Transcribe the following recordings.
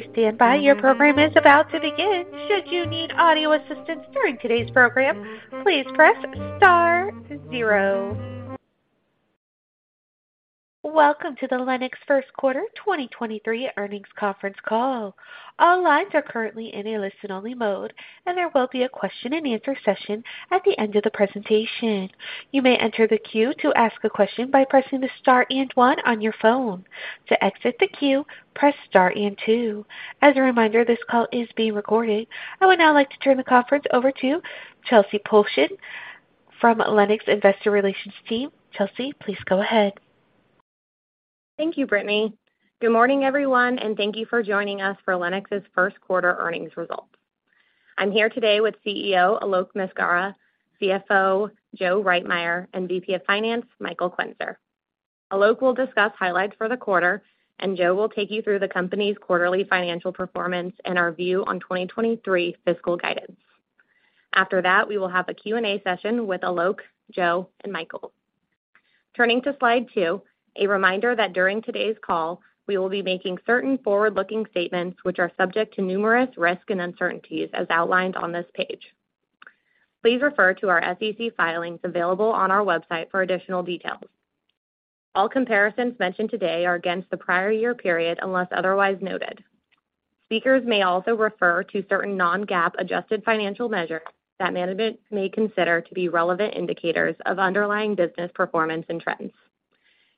Please stand by. Your program is about to begin. Should you need audio assistance during today's program, please press star zero. Welcome to the Lennox First Quarter 2023 Earnings Conference Call. All lines are currently in a listen-only mode, and there will be a question-and-answer session at the end of the presentation. You may enter the queue to ask a question by pressing the star and one on your phone. To exit the queue, press star and two. As a reminder, this call is being recorded. I would now like to turn the conference over to Chelsey Pulcheon from Lennox Investor Relations Team. Chelsey, please go ahead. Thank you, Brittany. Good morning, everyone, and thank you for joining us for Lennox's first quarter earnings results. I'm here today with CEO Alok Maskara, CFO Joe Reitmeier, and VP of Finance Michael Quenzer. Alok will discuss highlights for the quarter, and Joe will take you through the company's quarterly financial performance and our view on 2023 fiscal guidance. After that, we will have a Q&A session with Alok, Joe, and Michael. Turning to Slide 2, a reminder that during today's call, we will be making certain forward-looking statements which are subject to numerous risks and uncertainties as outlined on this page. Please refer to our SEC filings available on our website for additional details. All comparisons mentioned today are against the prior year period, unless otherwise noted. Speakers may also refer to certain non-GAAP adjusted financial measures that management may consider to be relevant indicators of underlying business performance and trends.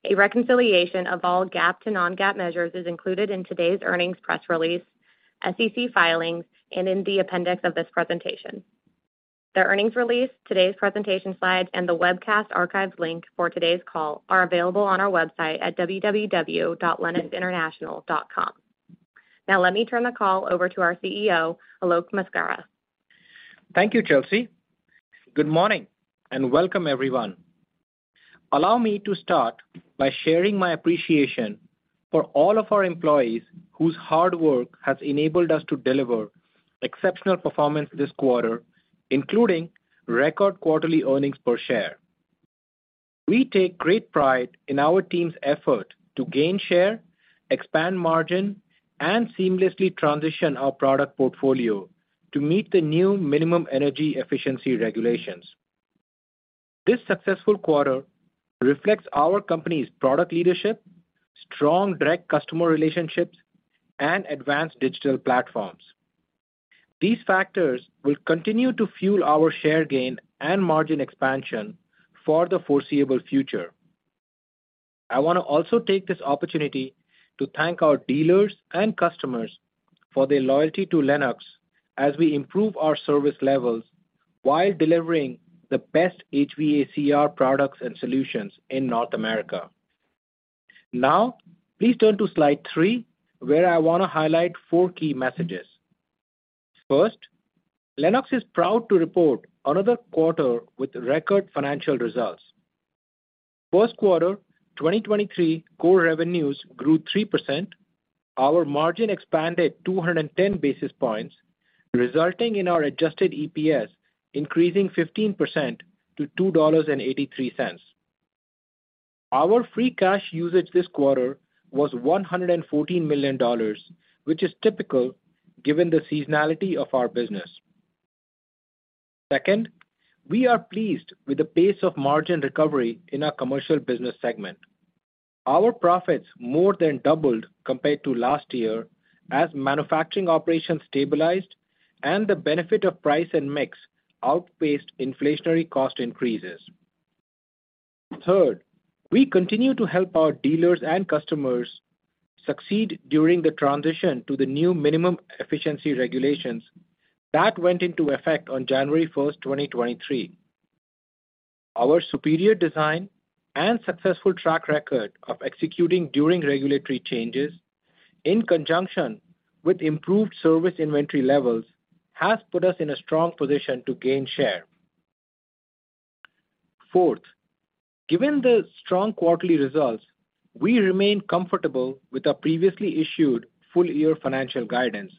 A reconciliation of all GAAP to non-GAAP measures is included in today's earnings press release, SEC filings, and in the appendix of this presentation. The earnings release, today's presentation slides, and the webcast archives link for today's call are available on our website at www.lennoxinternational.com. Now let me turn the call over to our CEO, Alok Maskara. Thank you, Chelsey. Good morning and welcome, everyone. Allow me to start by sharing my appreciation for all of our employees whose hard work has enabled us to deliver exceptional performance this quarter, including record quarterly earnings per share. We take great pride in our team's effort to gain share, expand margin, and seamlessly transition our product portfolio to meet the new minimum energy efficiency regulations. This successful quarter reflects our company's product leadership, strong direct customer relationships, and advanced digital platforms. These factors will continue to fuel our share gain and margin expansion for the foreseeable future. I wanna also take this opportunity to thank our dealers and customers for their loyalty to Lennox as we improve our service levels while delivering the best HVACR products and solutions in North America. Please turn to Slide 3, where I wanna highlight four key messages. Lennox is proud to report another quarter with record financial results. First quarter 2023 core revenues grew 3%. Our margin expanded 210 basis points, resulting in our adjusted EPS increasing 15% to $2.83. Our free cash usage this quarter was $114 million, which is typical given the seasonality of our business. We are pleased with the pace of margin recovery in our commercial business segment. Our profits more than doubled compared to last year as manufacturing operations stabilized and the benefit of price and mix outpaced inflationary cost increases. We continue to help our dealers and customers succeed during the transition to the new minimum efficiency regulations that went into effect on January 1, 2023. Our superior design and successful track record of executing during regulatory changes in conjunction with improved service inventory levels has put us in a strong position to gain share. Fourth, given the strong quarterly results, we remain comfortable with our previously issued full year financial guidance.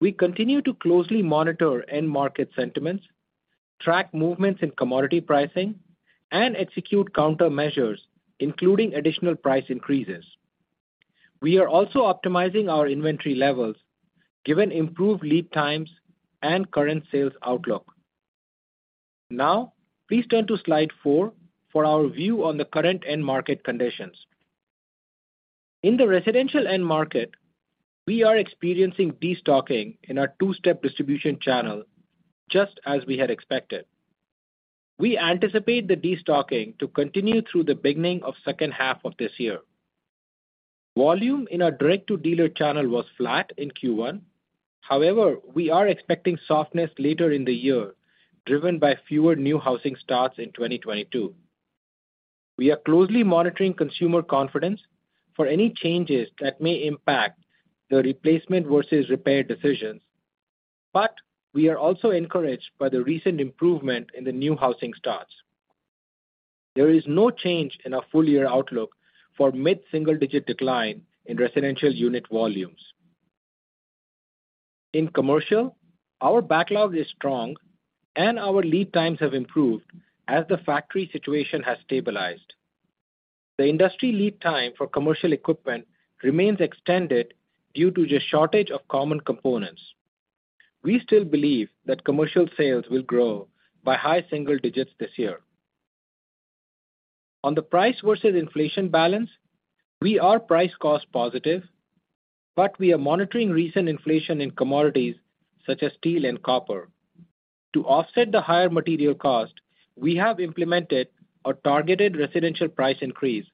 We continue to closely monitor end market sentiments, track movements in commodity pricing, and execute countermeasures, including additional price increases. We are also optimizing our inventory levels given improved lead times and current sales outlook. Please turn to Slide 4 for our view on the current end market conditions. In the residential end market, we are experiencing destocking in our two-step distribution channel just as we had expected. We anticipate the destocking to continue through the beginning of second half of this year. Volume in our direct-to-dealer channel was flat in Q1. We are expecting softness later in the year, driven by fewer new housing starts in 2022. We are closely monitoring consumer confidence for any changes that may impact the replacement versus repair decisions. We are also encouraged by the recent improvement in the new housing starts. There is no change in our full year outlook for mid-single digit decline in residential unit volumes. In commercial, our backlog is strong and our lead times have improved as the factory situation has stabilized. The industry lead time for commercial equipment remains extended due to the shortage of common components. We still believe that commercial sales will grow by high single digits this year. On the price versus inflation balance, we are price cost positive, but we are monitoring recent inflation in commodities such as steel and copper. To offset the higher material cost, we have implemented a targeted residential price increase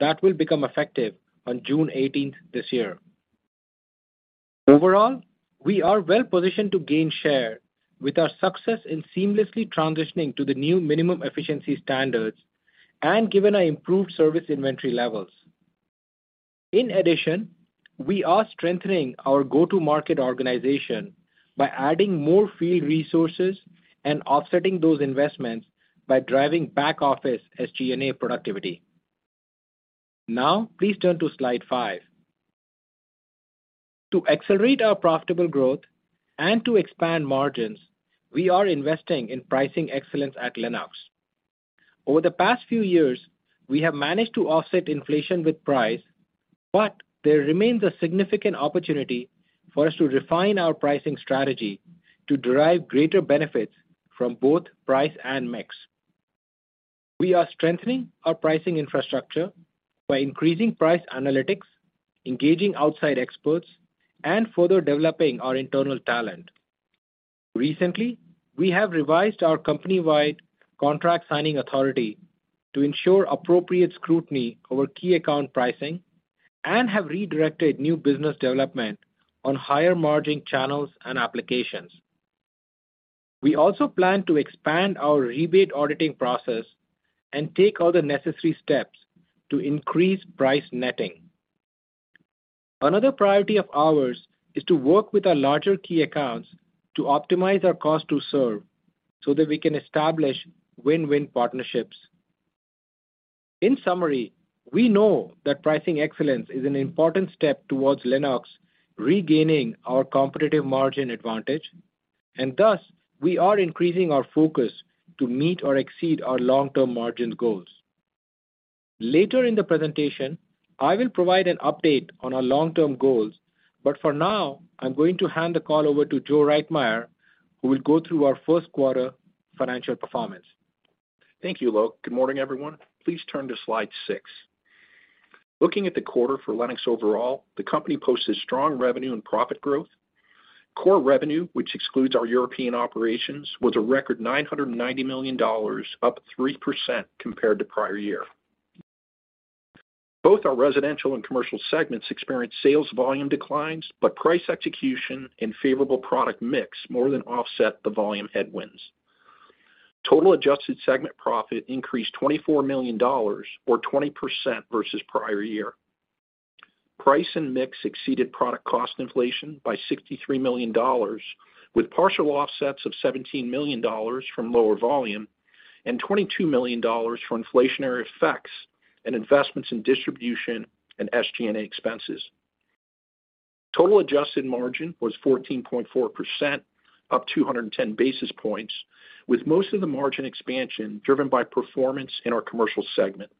that will become effective on June 18th this year. Overall, we are well-positioned to gain share with our success in seamlessly transitioning to the new minimum efficiency standards and given our improved service inventory levels. We are strengthening our go-to-market organization by adding more field resources and offsetting those investments by driving back-office SG&A productivity. Please turn to Slide 5. To accelerate our profitable growth and to expand margins, we are investing in pricing excellence at Lennox. Over the past few years, we have managed to offset inflation with price, there remains a significant opportunity for us to refine our pricing strategy to derive greater benefits from both price and mix. We are strengthening our pricing infrastructure by increasing price analytics, engaging outside experts, and further developing our internal talent. Recently, we have revised our company-wide contract signing authority to ensure appropriate scrutiny over key account pricing and have redirected new business development on higher margin channels and applications. We also plan to expand our rebate auditing process and take all the necessary steps to increase price netting. Another priority of ours is to work with our larger key accounts to optimize our cost to serve so that we can establish win-win partnerships. In summary, we know that pricing excellence is an important step towards Lennox regaining our competitive margin advantage, and thus, we are increasing our focus to meet or exceed our long-term margin goals. Later in the presentation, I will provide an update on our long-term goals. For now, I'm going to hand the call over to Joe Reitmeier, who will go through our first quarter financial performance. Thank you, Alok. Good morning, everyone. Please turn to Slide 6. Looking at the quarter for Lennox overall, the company posted strong revenue and profit growth. Core revenue, which excludes our European operations, was a record $990 million, up 3% compared to prior year. Both our residential and commercial segments experienced sales volume declines, but price execution and favorable product mix more than offset the volume headwinds. Total adjusted segment profit increased $24 million or 20% versus prior year. Price and mix exceeded product cost inflation by $63 million, with partial offsets of $17 million from lower volume and $22 million for inflationary effects and investments in distribution and SG&A expenses. Total adjusted margin was 14.4%, up 210 basis points, with most of the margin expansion driven by performance in our commercial segment.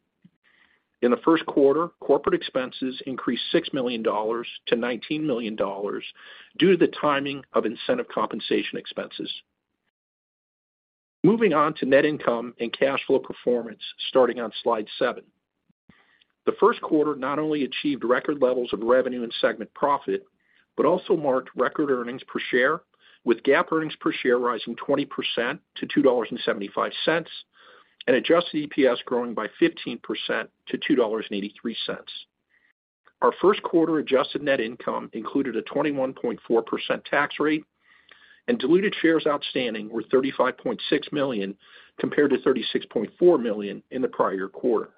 In the first quarter, corporate expenses increased $6 million to $19 million due to the timing of incentive compensation expenses. Moving on to net income and cash flow performance, starting on Slide 7. The first quarter not only achieved record levels of revenue and segment profit, but also marked record earnings per share, with GAAP earnings per share rising 20% to $2.75, and adjusted EPS growing by 15% to $2.83. Our first quarter adjusted net income included a 21.4% tax rate, and diluted shares outstanding were 35.6 million, compared to 36.4 million in the prior quarter.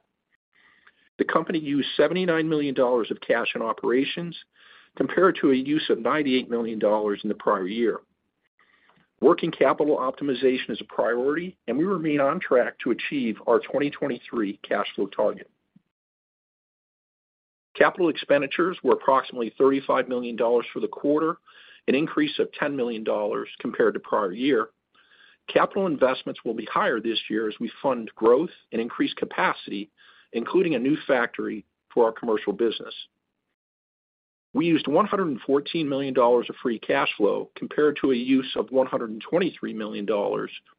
The company used $79 million of cash in operations compared to a use of $98 million in the prior year. Working capital optimization is a priority, we remain on track to achieve our 2023 cash flow target. Capital expenditures were approximately $35 million for the quarter, an increase of $10 million compared to prior year. Capital investments will be higher this year as we fund growth and increase capacity, including a new factory for our commercial business. We used $114 million of free cash flow compared to a use of $123 million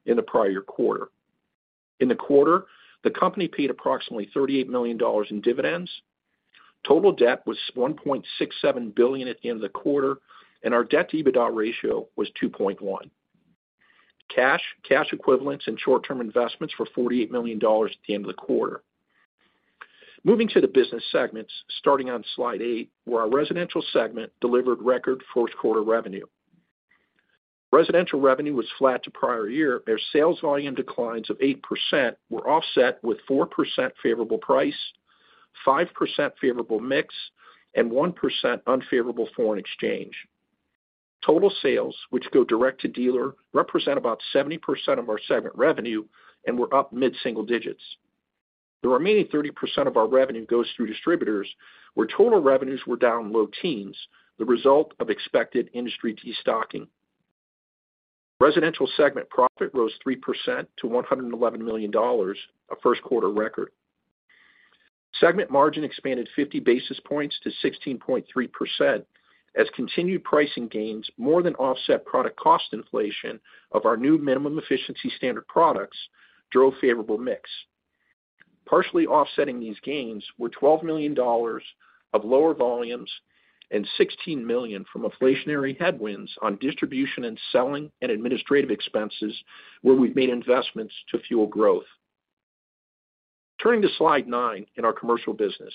in the prior quarter. In the quarter, the company paid approximately $38 million in dividends. Total debt was $1.67 billion at the end of the quarter, and our debt-to-EBITDA ratio was 2.1. Cash, cash equivalents and short-term investments were $48 million at the end of the quarter. Moving to the business segments, starting on Slide 8, where our residential segment delivered record first quarter revenue. Residential revenue was flat to prior year, where sales volume declines of 8% were offset with 4% favorable price, 5% favorable mix, and 1% unfavorable foreign exchange. Total sales, which go direct to dealer, represent about 70% of our segment revenue and were up mid-single digits. The remaining 30% of our revenue goes through distributors, where total revenues were down low teens, the result of expected industry destocking. Residential segment profit rose 3% to $111 million, a first quarter record. Segment margin expanded 50 basis points to 16.3% as continued pricing gains more than offset product cost inflation of our new minimum efficiency standard products drove favorable mix. Partially offsetting these gains were $12 million of lower volumes and $16 million from inflationary headwinds on distribution and selling and administrative expenses where we've made investments to fuel growth. Turning to Slide 9 in our commercial business.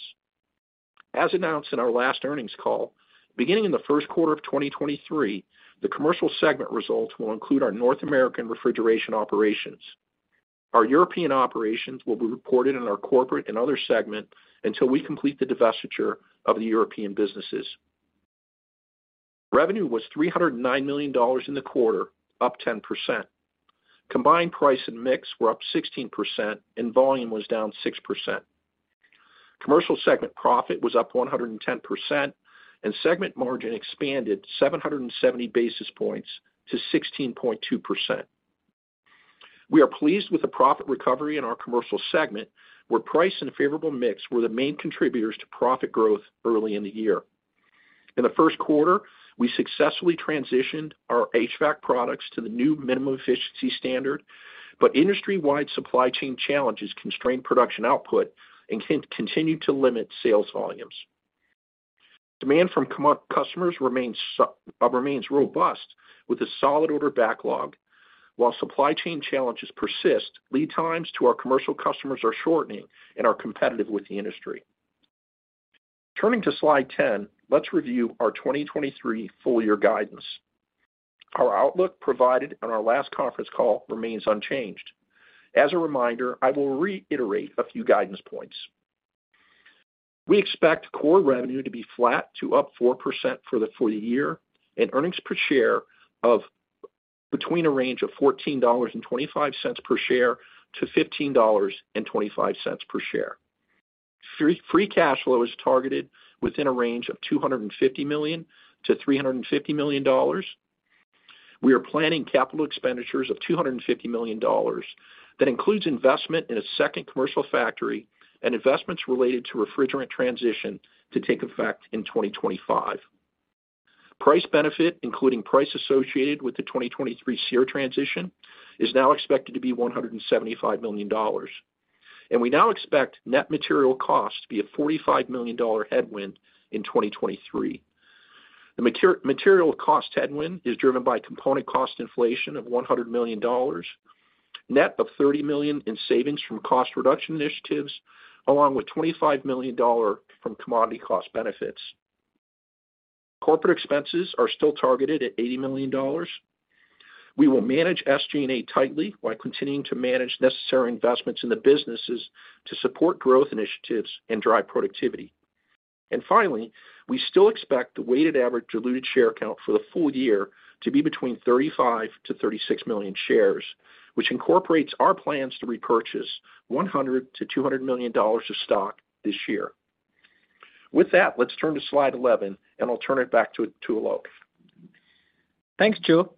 As announced in our last earnings call, beginning in the first quarter of 2023, the commercial segment results will include our North American refrigeration operations. Our European operations will be reported in our corporate and other segment until we complete the divestiture of the European businesses. Revenue was $309 million in the quarter, up 10%. Combined price and mix were up 16% and volume was down 6%. Commercial segment profit was up 110% and segment margin expanded 770 basis points to 16.2%. We are pleased with the profit recovery in our commercial segment, where price and favorable mix were the main contributors to profit growth early in the year. In the first quarter, we successfully transitioned our HVAC products to the new minimum efficiency standard, industry-wide supply chain challenges constrained production output and continue to limit sales volumes. Demand from customers remains robust with a solid order backlog. While supply chain challenges persist, lead times to our commercial customers are shortening and are competitive with the industry. Turning to Slide 10, let's review our 2023 full year guidance. Our outlook provided on our last conference call remains unchanged. As a reminder, I will reiterate a few guidance points. We expect core revenue to be flat to up 4% for the full year and earnings per share of between a range of $14.25 per share to $15.25 per share. Free cash flow is targeted within a range of $250 million to $350 million. We are planning capital expenditures of $250 million. That includes investment in a second commercial factory and investments related to refrigerant transition to take effect in 2025. Price benefit, including price associated with the 2023 SEER transition, is now expected to be $175 million. We now expect net material cost to be a $45 million headwind in 2023. The material cost headwind is driven by component cost inflation of $100 million, net of $30 million in savings from cost reduction initiatives, along with $25 million from commodity cost benefits. Corporate expenses are still targeted at $80 million. We will manage SG&A tightly while continuing to manage necessary investments in the businesses to support growth initiatives and drive productivity. Finally, we still expect the weighted average diluted share count for the full year to be between 35-36 million shares, which incorporates our plans to repurchase $100 million-$200 million of stock this year. With that, let's turn to Slide 11, and I'll turn it back to Alok. Thanks, Joe.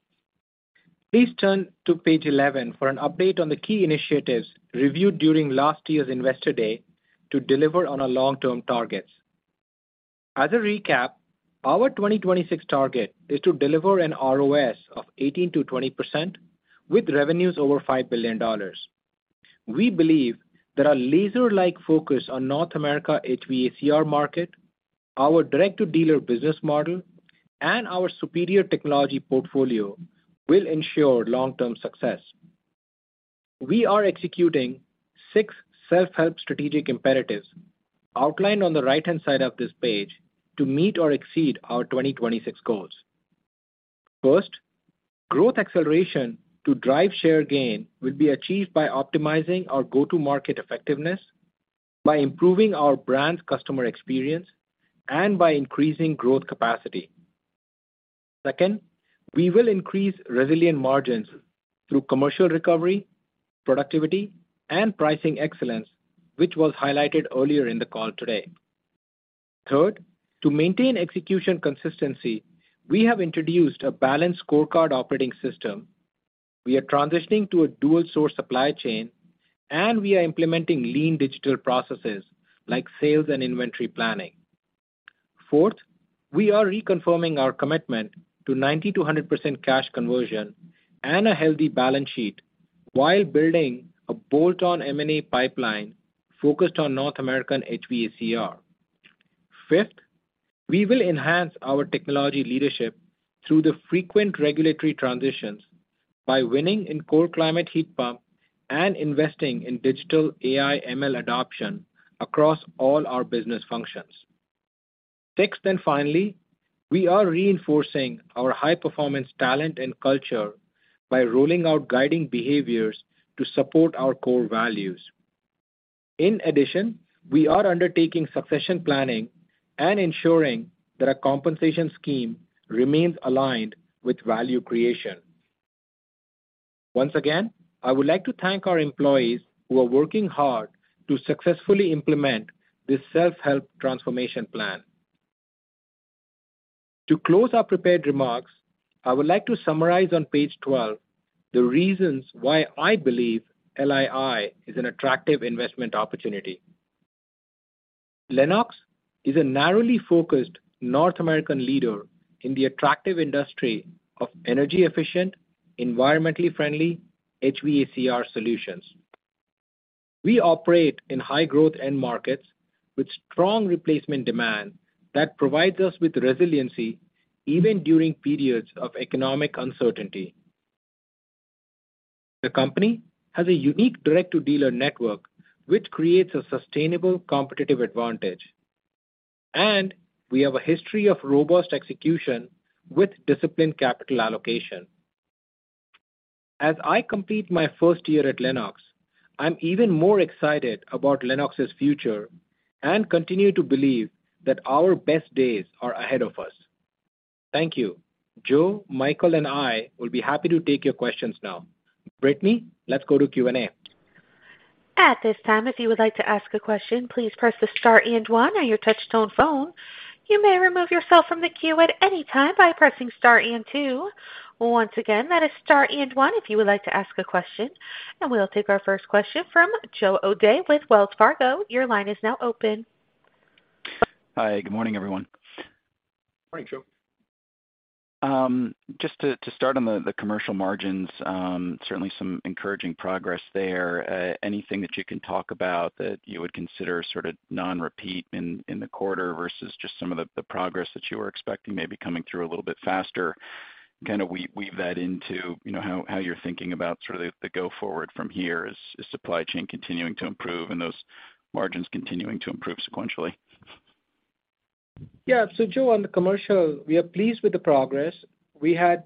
Please turn to page 11 for an update on the key initiatives reviewed during last year's Investor Day to deliver on our long-term targets. As a recap, our 2026 target is to deliver an ROS of 18%-20% with revenues over $5 billion. We believe that our laser-like focus on North America HVACR market, our direct-to-dealer business model, and our superior technology portfolio will ensure long-term success. We are executing six self-help strategic imperatives outlined on the right-hand side of this page to meet or exceed our 2026 goals. First, growth acceleration to drive share gain will be achieved by optimizing our go-to-market effectiveness, by improving our brand's customer experience, and by increasing growth capacity. Second, we will increase resilient margins through commercial recovery, productivity, and pricing excellence, which was highlighted earlier in the call today. Third, to maintain execution consistency, we have introduced a balanced scorecard operating system. We are transitioning to a dual-source supply chain, and we are implementing lean digital processes like sales and inventory planning. Fourth, we are reconfirming our commitment to 90%-100% cash conversion and a healthy balance sheet while building a bolt-on M&A pipeline focused on North American HVACR. Fifth, we will enhance our technology leadership through the frequent regulatory transitions by winning in cold climate heat pump and investing in digital AI ML adoption across all our business functions. Sixth, and finally, we are reinforcing our high-performance talent and culture by rolling out guiding behaviors to support our core values. In addition, we are undertaking succession planning and ensuring that our compensation scheme remains aligned with value creation. Once again, I would like to thank our employees who are working hard to successfully implement this self-help transformation plan. To close our prepared remarks, I would like to summarize on page 12 the reasons why I believe LII is an attractive investment opportunity. Lennox is a narrowly focused North American leader in the attractive industry of energy efficient, environmentally friendly HVACR solutions. We operate in high growth end markets with strong replacement demand that provides us with resiliency even during periods of economic uncertainty. The company has a unique direct to dealer network, which creates a sustainable competitive advantage, and we have a history of robust execution with disciplined capital allocation. As I complete my first year at Lennox, I'm even more excited about Lennox's future and continue to believe that our best days are ahead of us. Thank you. Joe, Michael, and I will be happy to take your questions now. Brittany, let's go to Q&A. At this time, if you would like to ask a question, please press the star and one on your touch-tone phone. You may remove yourself from the queue at any time by pressing star and two. Once again, that is star and one if you would like to ask a question. We'll take our first question from Joe O'Dea with Wells Fargo. Your line is now open. Hi. Good morning, everyone. Morning, Joe. Just to start on the commercial margins, certainly some encouraging progress there. Anything that you can talk about that you would consider sort of non-repeat in the quarter versus just some of the progress that you were expecting maybe coming through a little bit faster, kinda weave that into, you know, how you're thinking about sort of the go forward from here as the supply chain continuing to improve and those margins continuing to improve sequentially? Joe, on the commercial, we are pleased with the progress. We had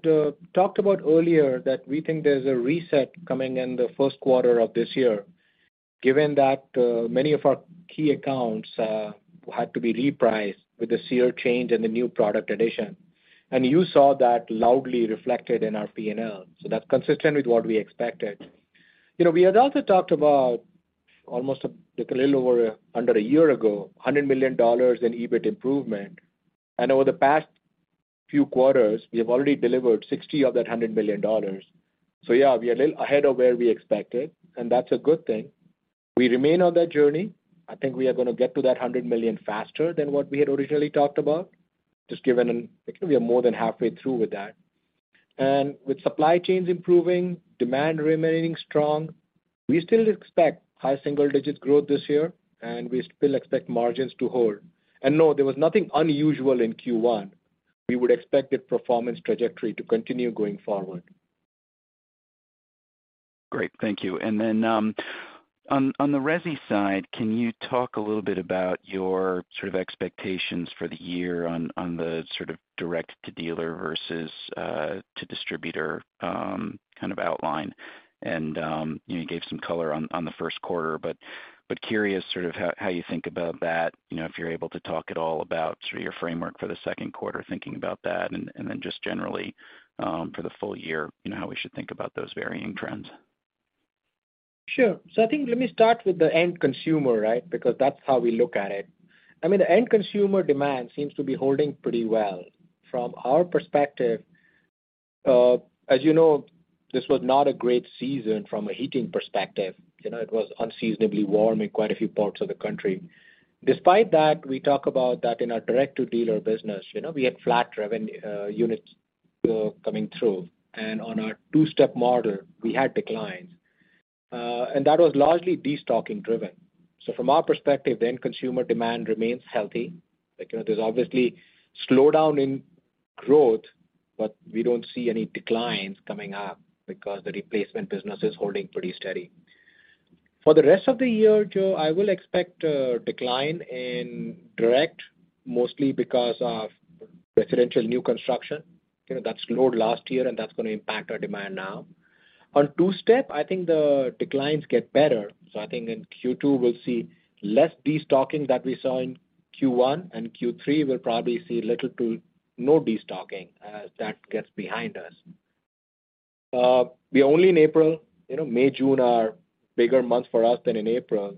talked about earlier that we think there's a reset coming in the first quarter of this year, given that many of our key accounts had to be repriced with the SEER change and the new product addition. You saw that loudly reflected in our P&L. That's consistent with what we expected. You know, we had also talked about almost like a little over under a year ago, $100 million in EBIT improvement. Over the past few quarters, we have already delivered 60 of that $100 million. Yeah, we are a little ahead of where we expected, and that's a good thing. We remain on that journey. I think we are gonna get to that $100 million faster than what we had originally talked about, just given we are more than halfway through with that. With supply chains improving, demand remaining strong, we still expect high single digits growth this year, and we still expect margins to hold. No, there was nothing unusual in Q1. We would expect that performance trajectory to continue going forward. Great. Thank you. On the resi side, can you talk a little bit about your sort of expectations for the year on the sort of direct to dealer versus to distributor kind of outline? You gave some color on the first quarter, but curious sort of how you think about that, you know, if you're able to talk at all about sort of your framework for the second quarter, thinking about that, and then just generally, for the full year, you know, how we should think about those varying trends? Sure. I think let me start with the end consumer, right? Because that's how we look at it. I mean, the end consumer demand seems to be holding pretty well. From our perspective, as you know, this was not a great season from a heating perspective. You know, it was unseasonably warm in quite a few parts of the country. Despite that, we talk about that in our direct to dealer business. You know, we had flat revenue, units coming through. On our two-step model, we had declines, and that was largely destocking driven. From our perspective, the end consumer demand remains healthy. Like, you know, there's obviously slowdown in growth, but we don't see any declines coming up because the replacement business is holding pretty steady. For the rest of the year, Joe, I will expect a decline in direct, mostly because of residential new construction. You know, that slowed last year, and that's gonna impact our demand now. On two-step, I think the declines get better, so I think in Q2 we'll see less destocking than we saw in Q1, and Q3 we'll probably see little to no destocking as that gets behind us. We're only in April. You know, May, June are bigger months for us than in April.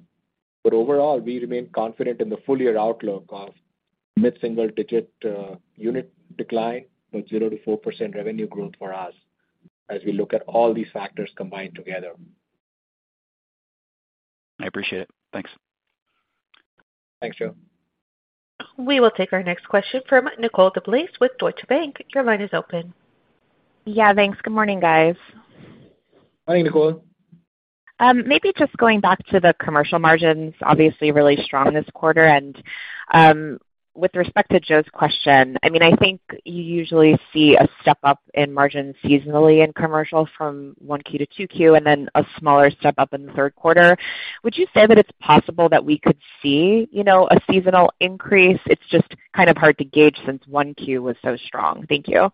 Overall, we remain confident in the full year outlook of mid-single digit unit decline with 0-4% revenue growth for us as we look at all these factors combined together. I appreciate it. Thanks. Thanks, Joe. We will take our next question from Nicole DeBlase with Deutsche Bank. Your line is open. Yeah, thanks. Good morning, guys. Morning, Nicole. Maybe just going back to the commercial margins, obviously really strong this quarter. With respect to Joe's question, I mean, I think you usually see a step-up in margins seasonally in commercial from 1 Q to 2 Q, and then a smaller step-up in the third quarter. Would you say that it's possible that we could see, you know, a seasonal increase? It's just kind of hard to gauge since 1 Q was so strong. Thank you.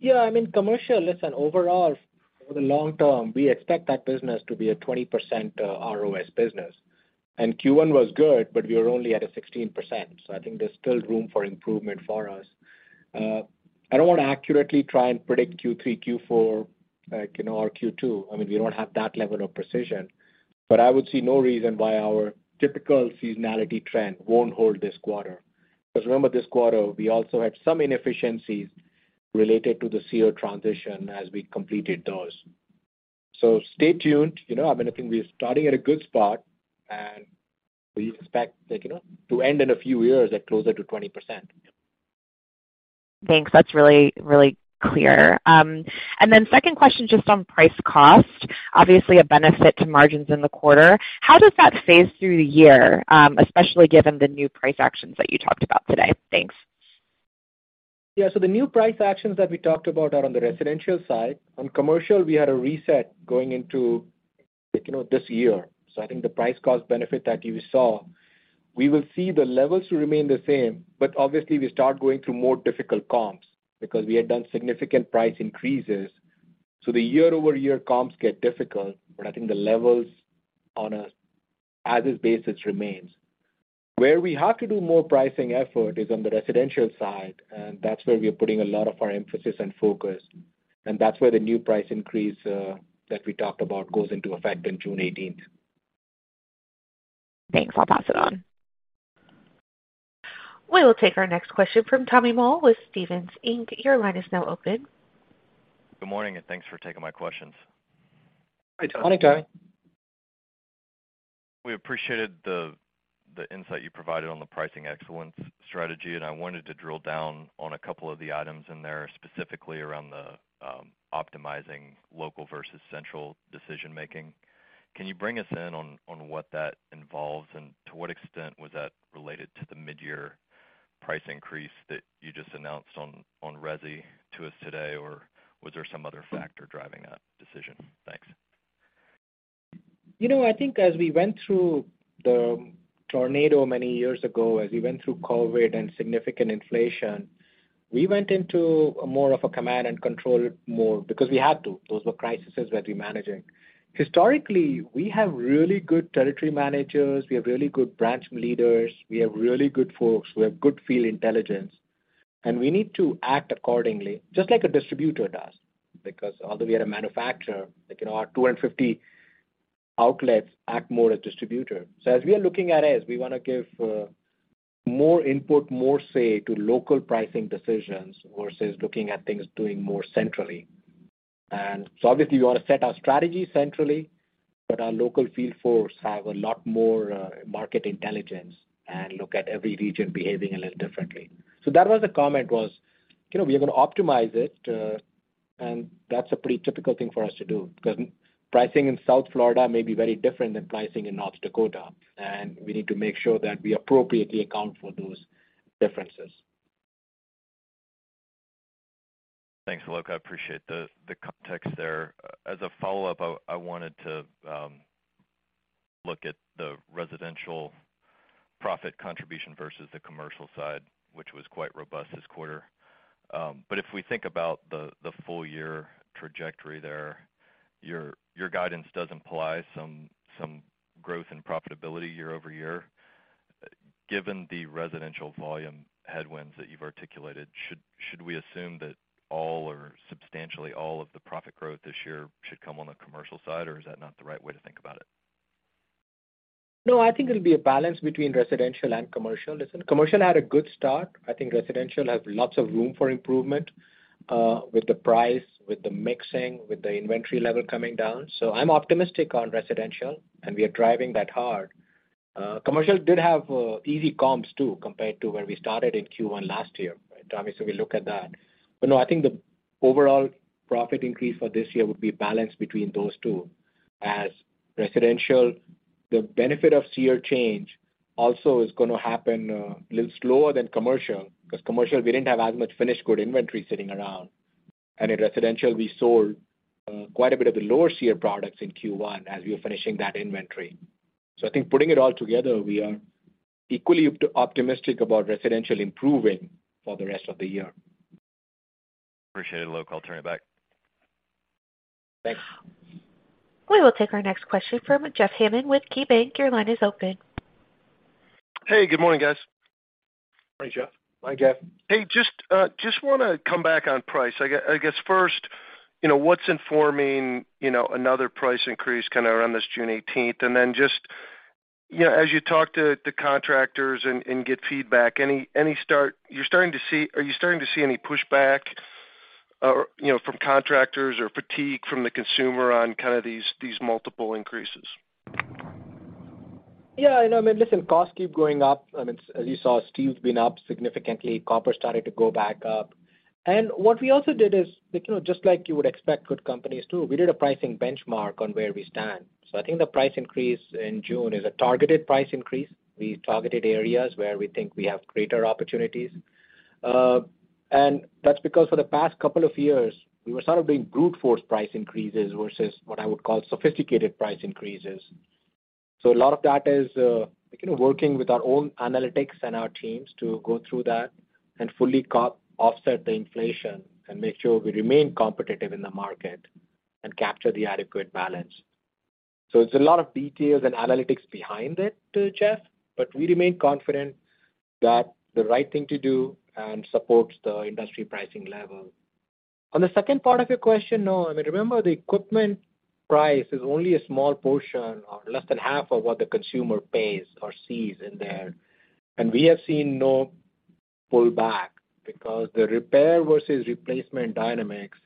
Yeah. I mean, commercial, listen, Over the long term, we expect that business to be a 20% ROS business. Q1 was good, but we are only at a 16%, so I think there's still room for improvement for us. I don't wanna accurately try and predict Q3, Q4, like, you know, or Q2. I mean, we don't have that level of precision. I would see no reason why our typical seasonality trend won't hold this quarter. 'Cause remember this quarter, we also had some inefficiencies related to the CEO transition as we completed those. Stay tuned. You know, I mean, I think we are starting at a good spot, and we expect, like, you know, to end in a few years at closer to 20%. Thanks. That's really, really clear. Second question just on price cost, obviously a benefit to margins in the quarter. How does that phase through the year, especially given the new price actions that you talked about today? Thanks. Yeah. The new price actions that we talked about are on the residential side. On commercial, we had a reset going into, like, you know, this year. I think the price cost benefit that you saw, we will see the levels remain the same, but obviously we start going through more difficult comps because we had done significant price increases. The year-over-year comps get difficult, but I think the levels on a as is basis remains. Where we have to do more pricing effort is on the residential side, and that's where we are putting a lot of our emphasis and focus. That's where the new price increase that we talked about goes into effect on June 18th. Thanks. I'll pass it on. We will take our next question from Tommy Moll with Stephens, Inc.. Your line is now open. Good morning, thanks for taking my questions. Hi, Tommy. Hi, Tommy. We appreciated the insight you provided on the pricing excellence strategy. I wanted to drill down on a couple of the items in there, specifically around the optimizing local versus central decision-making. Can you bring us in on what that involves? To what extent was that related to the mid-year price increase that you just announced on resi to us today? Was there some other factor driving that decision? Thanks. You know, I think as we went through the tornado many years ago, as we went through COVID and significant inflation, we went into more of a command and control mode because we had to. Those were crises that we're managing. Historically, we have really good territory managers. We have really good branch leaders. We have really good folks. We have good field intelligence. We need to act accordingly, just like a distributor does. Because although we are a manufacturer, like, you know, our 250 outlets act more as distributor. As we are looking at it, we wanna give more input, more say to local pricing decisions versus looking at things doing more centrally. Obviously we wanna set our strategy centrally, but our local field force have a lot more market intelligence and look at every region behaving a little differently. That was the comment was, you know, we are gonna optimize it, and that's a pretty typical thing for us to do, 'cause pricing in South Florida may be very different than pricing in North Dakota, and we need to make sure that we appropriately account for those differences. Thanks, Alok. I appreciate the context there. As a follow-up, I wanted to look at the residential profit contribution versus the commercial side, which was quite robust this quarter. If we think about the full year trajectory there, your guidance does imply some growth and profitability year-over-year. Given the residential volume headwinds that you've articulated, should we assume that all or substantially all of the profit growth this year should come on the commercial side, or is that not the right way to think about it? No, I think it'll be a balance between residential and commercial. Listen, commercial had a good start. I think residential has lots of room for improvement, with the price, with the mixing, with the inventory level coming down. I'm optimistic on residential, and we are driving that hard. Commercial did have easy comps too, compared to where we started in Q1 last year, right, Tommy, so we look at that. No, I think the overall profit increase for this year would be balanced between those two. As residential, the benefit of CR change also is gonna happen, a little slower than commercial, 'cause commercial we didn't have as much finished good inventory sitting around. In residential we sold quite a bit of the lower CR products in Q1 as we were finishing that inventory. I think putting it all together, we are equally optimistic about residential improving for the rest of the year. Appreciate it, Alok. I'll turn it back. Thanks. We will take our next question from Jeff Hammond with KeyBank. Your line is open. Hey, good morning, guys. Morning, Jeff. Hi, Jeff. Hey, just wanna come back on price. I guess first, you know, what's informing, you know, another price increase kinda around this June 18th? Then just, you know, as you talk to contractors and get feedback, Are you starting to see any pushback, or, you know, from contractors or fatigue from the consumer on kinda these multiple increases? Yeah, I know. I mean, listen, costs keep going up. I mean, as you saw, steel's been up significantly. Copper started to go back up. What we also did is, like, you know, just like you would expect good companies too, we did a pricing benchmark on where we stand. I think the price increase in June is a targeted price increase. We targeted areas where we think we have greater opportunities. And that's because for the past 2 years, we were sort of doing brute force price increases versus what I would call sophisticated price increases. A lot of that is, you know, working with our own analytics and our teams to go through that and fully offset the inflation and make sure we remain competitive in the market and capture the adequate balance. It's a lot of details and analytics behind it, Jeff, but we remain confident that the right thing to do and supports the industry pricing level. On the second part of your question, no, I mean, remember the equipment price is only a small portion or less than half of what the consumer pays or sees in there. We have seen no pullback because the repair versus replacement dynamics,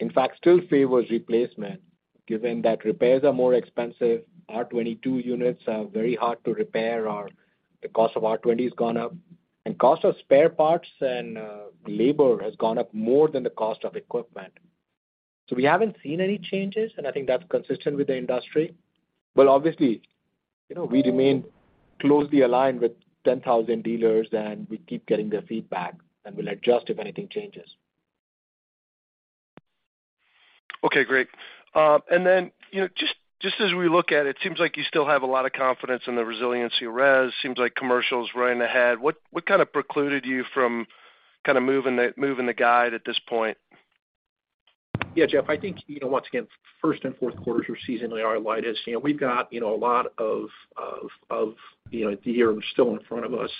in fact, still favors replacement given that repairs are more expensive. R22 units are very hard to repair, or the cost of R-22 has gone up. Cost of spare parts and labor has gone up more than the cost of equipment. We haven't seen any changes, and I think that's consistent with the industry. obviously, you know, we remain closely aligned with 10,000 dealers, and we keep getting their feedback, and we'll adjust if anything changes. Okay, great. You know, just as we look at it seems like you still have a lot of confidence in the resiliency of res. Seems like commercial is running ahead. What kind of precluded you from kind of moving the guide at this point? Jeff, I think, you know, once again, first and fourth quarters are seasonally our lightest. You know, we've got, you know, a lot of, you know, the year still in front of us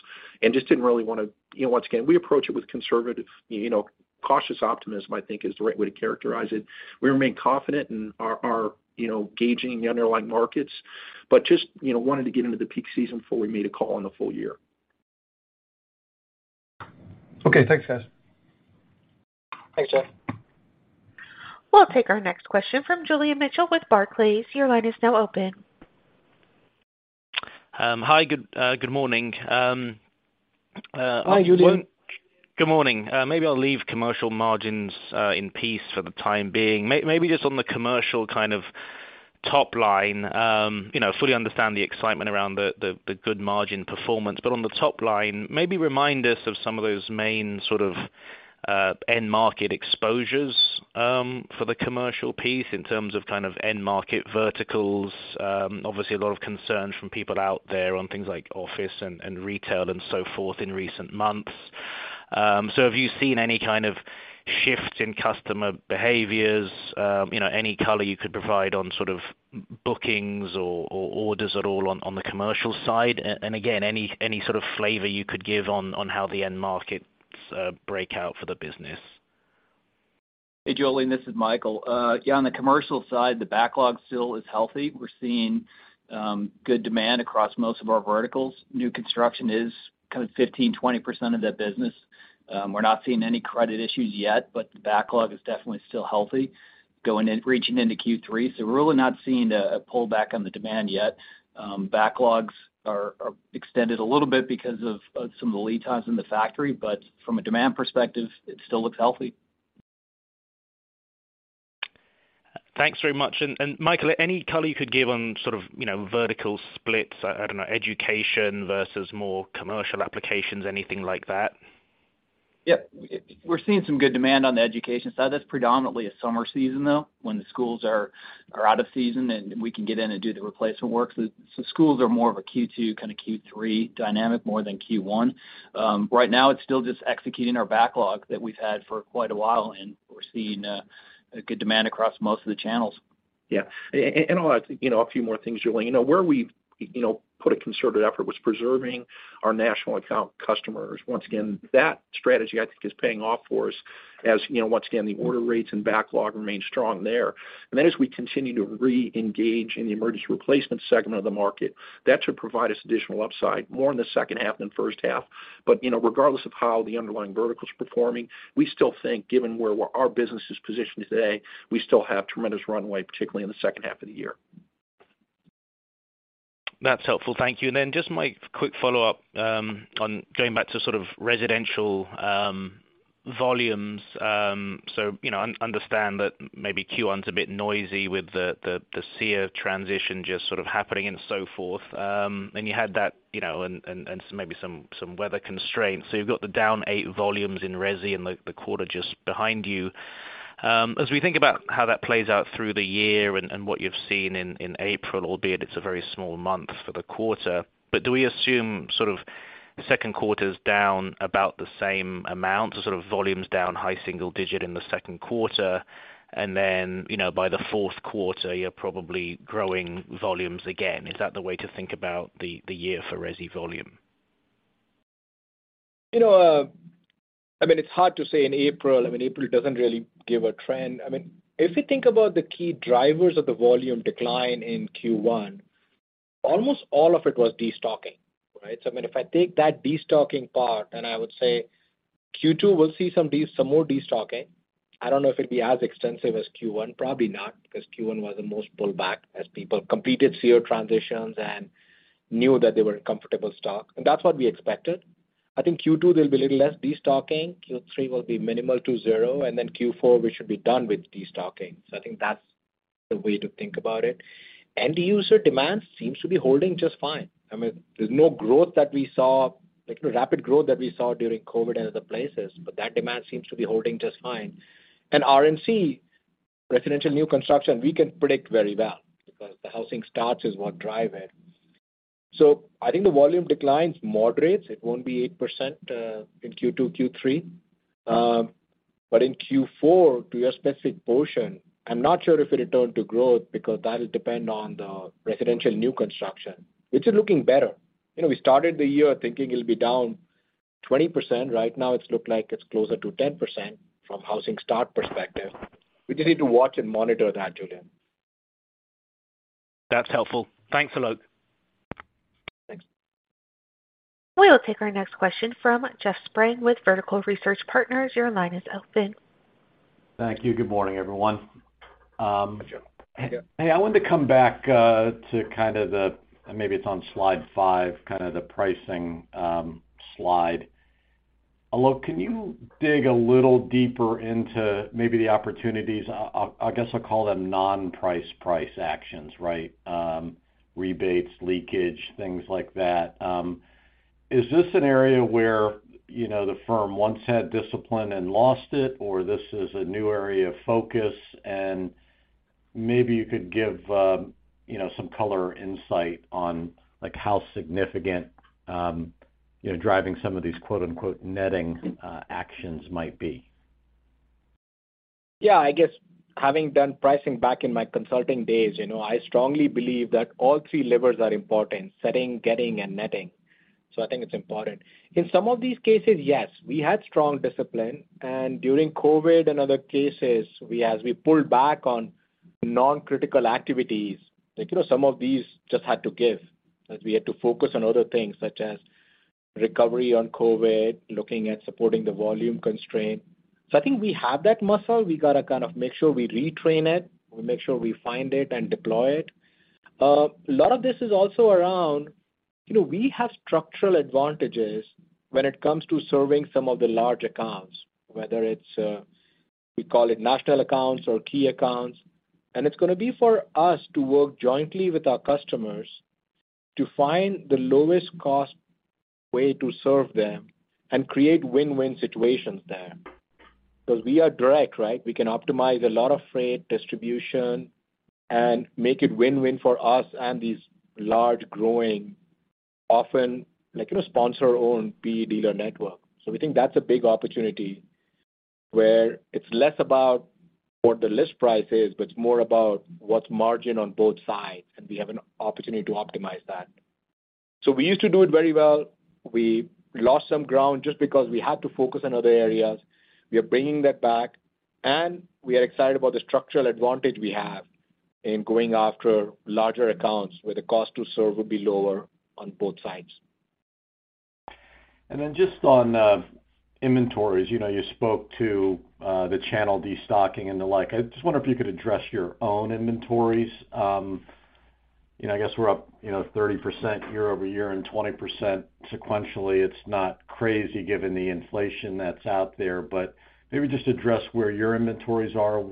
and just didn't really wanna. You know, once again, we approach it with conservative, you know, cautious optimism, I think is the right way to characterize it. We remain confident in our, you know, gauging the underlying markets, but just, you know, wanted to get into the peak season before we made a call on the full year. Okay, thanks, guys. Thanks, Jeff. We'll take our next question from Julian Mitchell with Barclays. Your line is now open. Hi, good morning. Hi, Julian. Good morning. Maybe I'll leave commercial margins in peace for the time being. Maybe just on the commercial kind of top line, you know, fully understand the excitement around the good margin performance. On the top line, maybe remind us of some of those main sort of end market exposures for the commercial piece in terms of kind of end market verticals. Obviously a lot of concern from people out there on things like office and retail and so forth in recent months. Have you seen any kind of shift in customer behaviors? You know, any color you could provide on sort of bookings or orders at all on the commercial side? Again, any sort of flavor you could give on how the end markets break out for the business. Hey, Julian, this is Michael. Yeah, on the commercial side, the backlog still is healthy. We're seeing good demand across most of our verticals. New construction is kind of 15%-20% of that business. We're not seeing any credit issues yet, but the backlog is definitely still healthy reaching into Q3. We're really not seeing a pullback on the demand yet. Backlogs are extended a little bit because of some of the lead times in the factory, but from a demand perspective, it still looks healthy. Thanks very much. Michael, any color you could give on sort of, you know, vertical splits, I don't know, education versus more commercial applications, anything like that? Yep. We're seeing some good demand on the education side. That's predominantly a summer season though, when the schools are out of season and we can get in and do the replacement work. Schools are more of a Q2, kind of Q3 dynamic more than Q1. Right now it's still just executing our backlog that we've had for quite a while, and we're seeing a good demand across most of the channels. You know, a few more things, Julian. You know, where we've, you know, put a concerted effort was preserving our national account customers. Once again, that strategy, I think, is paying off for us as, you know, once again, the order rates and backlog remain strong there. As we continue to reengage in the emergency replacement segment of the market, that should provide us additional upside, more in the second half than first half. You know, regardless of how the underlying vertical is performing, we still think given where our business is positioned today, we still have tremendous runway, particularly in the second half of the year. That's helpful. Thank you. Then just my quick follow-up on going back to sort of residential volumes. You know, understand that maybe Q1's a bit noisy with the SEER transition just sort of happening and so forth. You had that, you know, and maybe some weather constraints. You've got the down 8 volumes in resi in the quarter just behind you. As we think about how that plays out through the year and what you've seen in April, albeit it's a very small month for the quarter, do we assume sort of second quarter's down about the same amount? Sort of volumes down high single digit in the second quarter, then, you know, by the fourth quarter you're probably growing volumes again. Is that the way to think about the year for resi volume? You know, I mean, it's hard to say in April. I mean, April doesn't really give a trend. I mean, if you think about the key drivers of the volume decline in Q1, almost all of it was destocking, right? I mean, if I take that destocking part, and I would say Q2 will see some more destocking. I don't know if it'll be as extensive as Q1, probably not, because Q1 was the most pullback as people completed SEER transitions and knew that they were in comfortable stock. That's what we expected. I think Q2 there'll be a little less destocking. Q3 will be minimal to zero, Q4 we should be done with destocking. I think that's the way to think about it. End user demand seems to be holding just fine. I mean, there's no growth that we saw, like rapid growth that we saw during COVID and other places, but that demand seems to be holding just fine. RNC Residential New Construction, we can predict very well because the housing starts is what drive it. I think the volume declines moderates. It won't be 8% in Q2, Q3. In Q4, to your specific portion, I'm not sure if it'll return to growth because that'll depend on the Residential New Construction, which is looking better. You know, we started the year thinking it'll be down 20%. Right now, it's looked like it's closer to 10% from housing start perspective. We just need to watch and monitor that, Julian. That's helpful. Thanks, Alok. Thanks. We will take our next question from Jeff Sprague with Vertical Research Partners. Your line is open. Thank you. Good morning, everyone. Good job. Hey, I wanted to come back to kind of the Maybe it's on Slide 5, kind of the pricing slide. Alok, can you dig a little deeper into maybe the opportunities? I guess, I'll call them non-price, price actions, right? Rebates, leakage, things like that. Is this an area where, you know, the firm once had discipline and lost it, or this is a new area of focus? Maybe you could give, you know, some color insight on, like how significant, you know, driving some of these, quote-unquote, "netting," actions might be. Yeah, I guess having done pricing back in my consulting days, you know, I strongly believe that all three levers are important: setting, getting, and netting. I think it's important. In some of these cases, yes, we had strong discipline, and during COVID and other cases, we pulled back on non-critical activities. Like, you know, some of these just had to give, as we had to focus on other things such as recovery on COVID, looking at supporting the volume constraint. I think we have that muscle. We gotta kind of make sure we retrain it. We make sure we find it and deploy it. A lot of this is also around, you know, we have structural advantages when it comes to serving some of the large accounts, whether it's, we call it national accounts or key accounts. It's gonna be for us to work jointly with our customers to find the lowest cost way to serve them and create win-win situations there. 'Cause we are direct, right? We can optimize a lot of freight, distribution, and make it win-win for us and these large growing, often, like, you know, sponsor-owned PE dealer network. We think that's a big opportunity where it's less about what the list price is, but it's more about what's margin on both sides, and we have an opportunity to optimize that. We used to do it very well. We lost some ground just because we had to focus on other areas. We are bringing that back, and we are excited about the structural advantage we have in going after larger accounts where the cost to serve will be lower on both sides. Just on inventories. You know, you spoke to the channel destocking and the like. I just wonder if you could address your own inventories. You know, I guess we're up, you know, 30% year-over-year and 20% sequentially. It's not crazy given the inflation that's out there. But maybe just address where your inventories are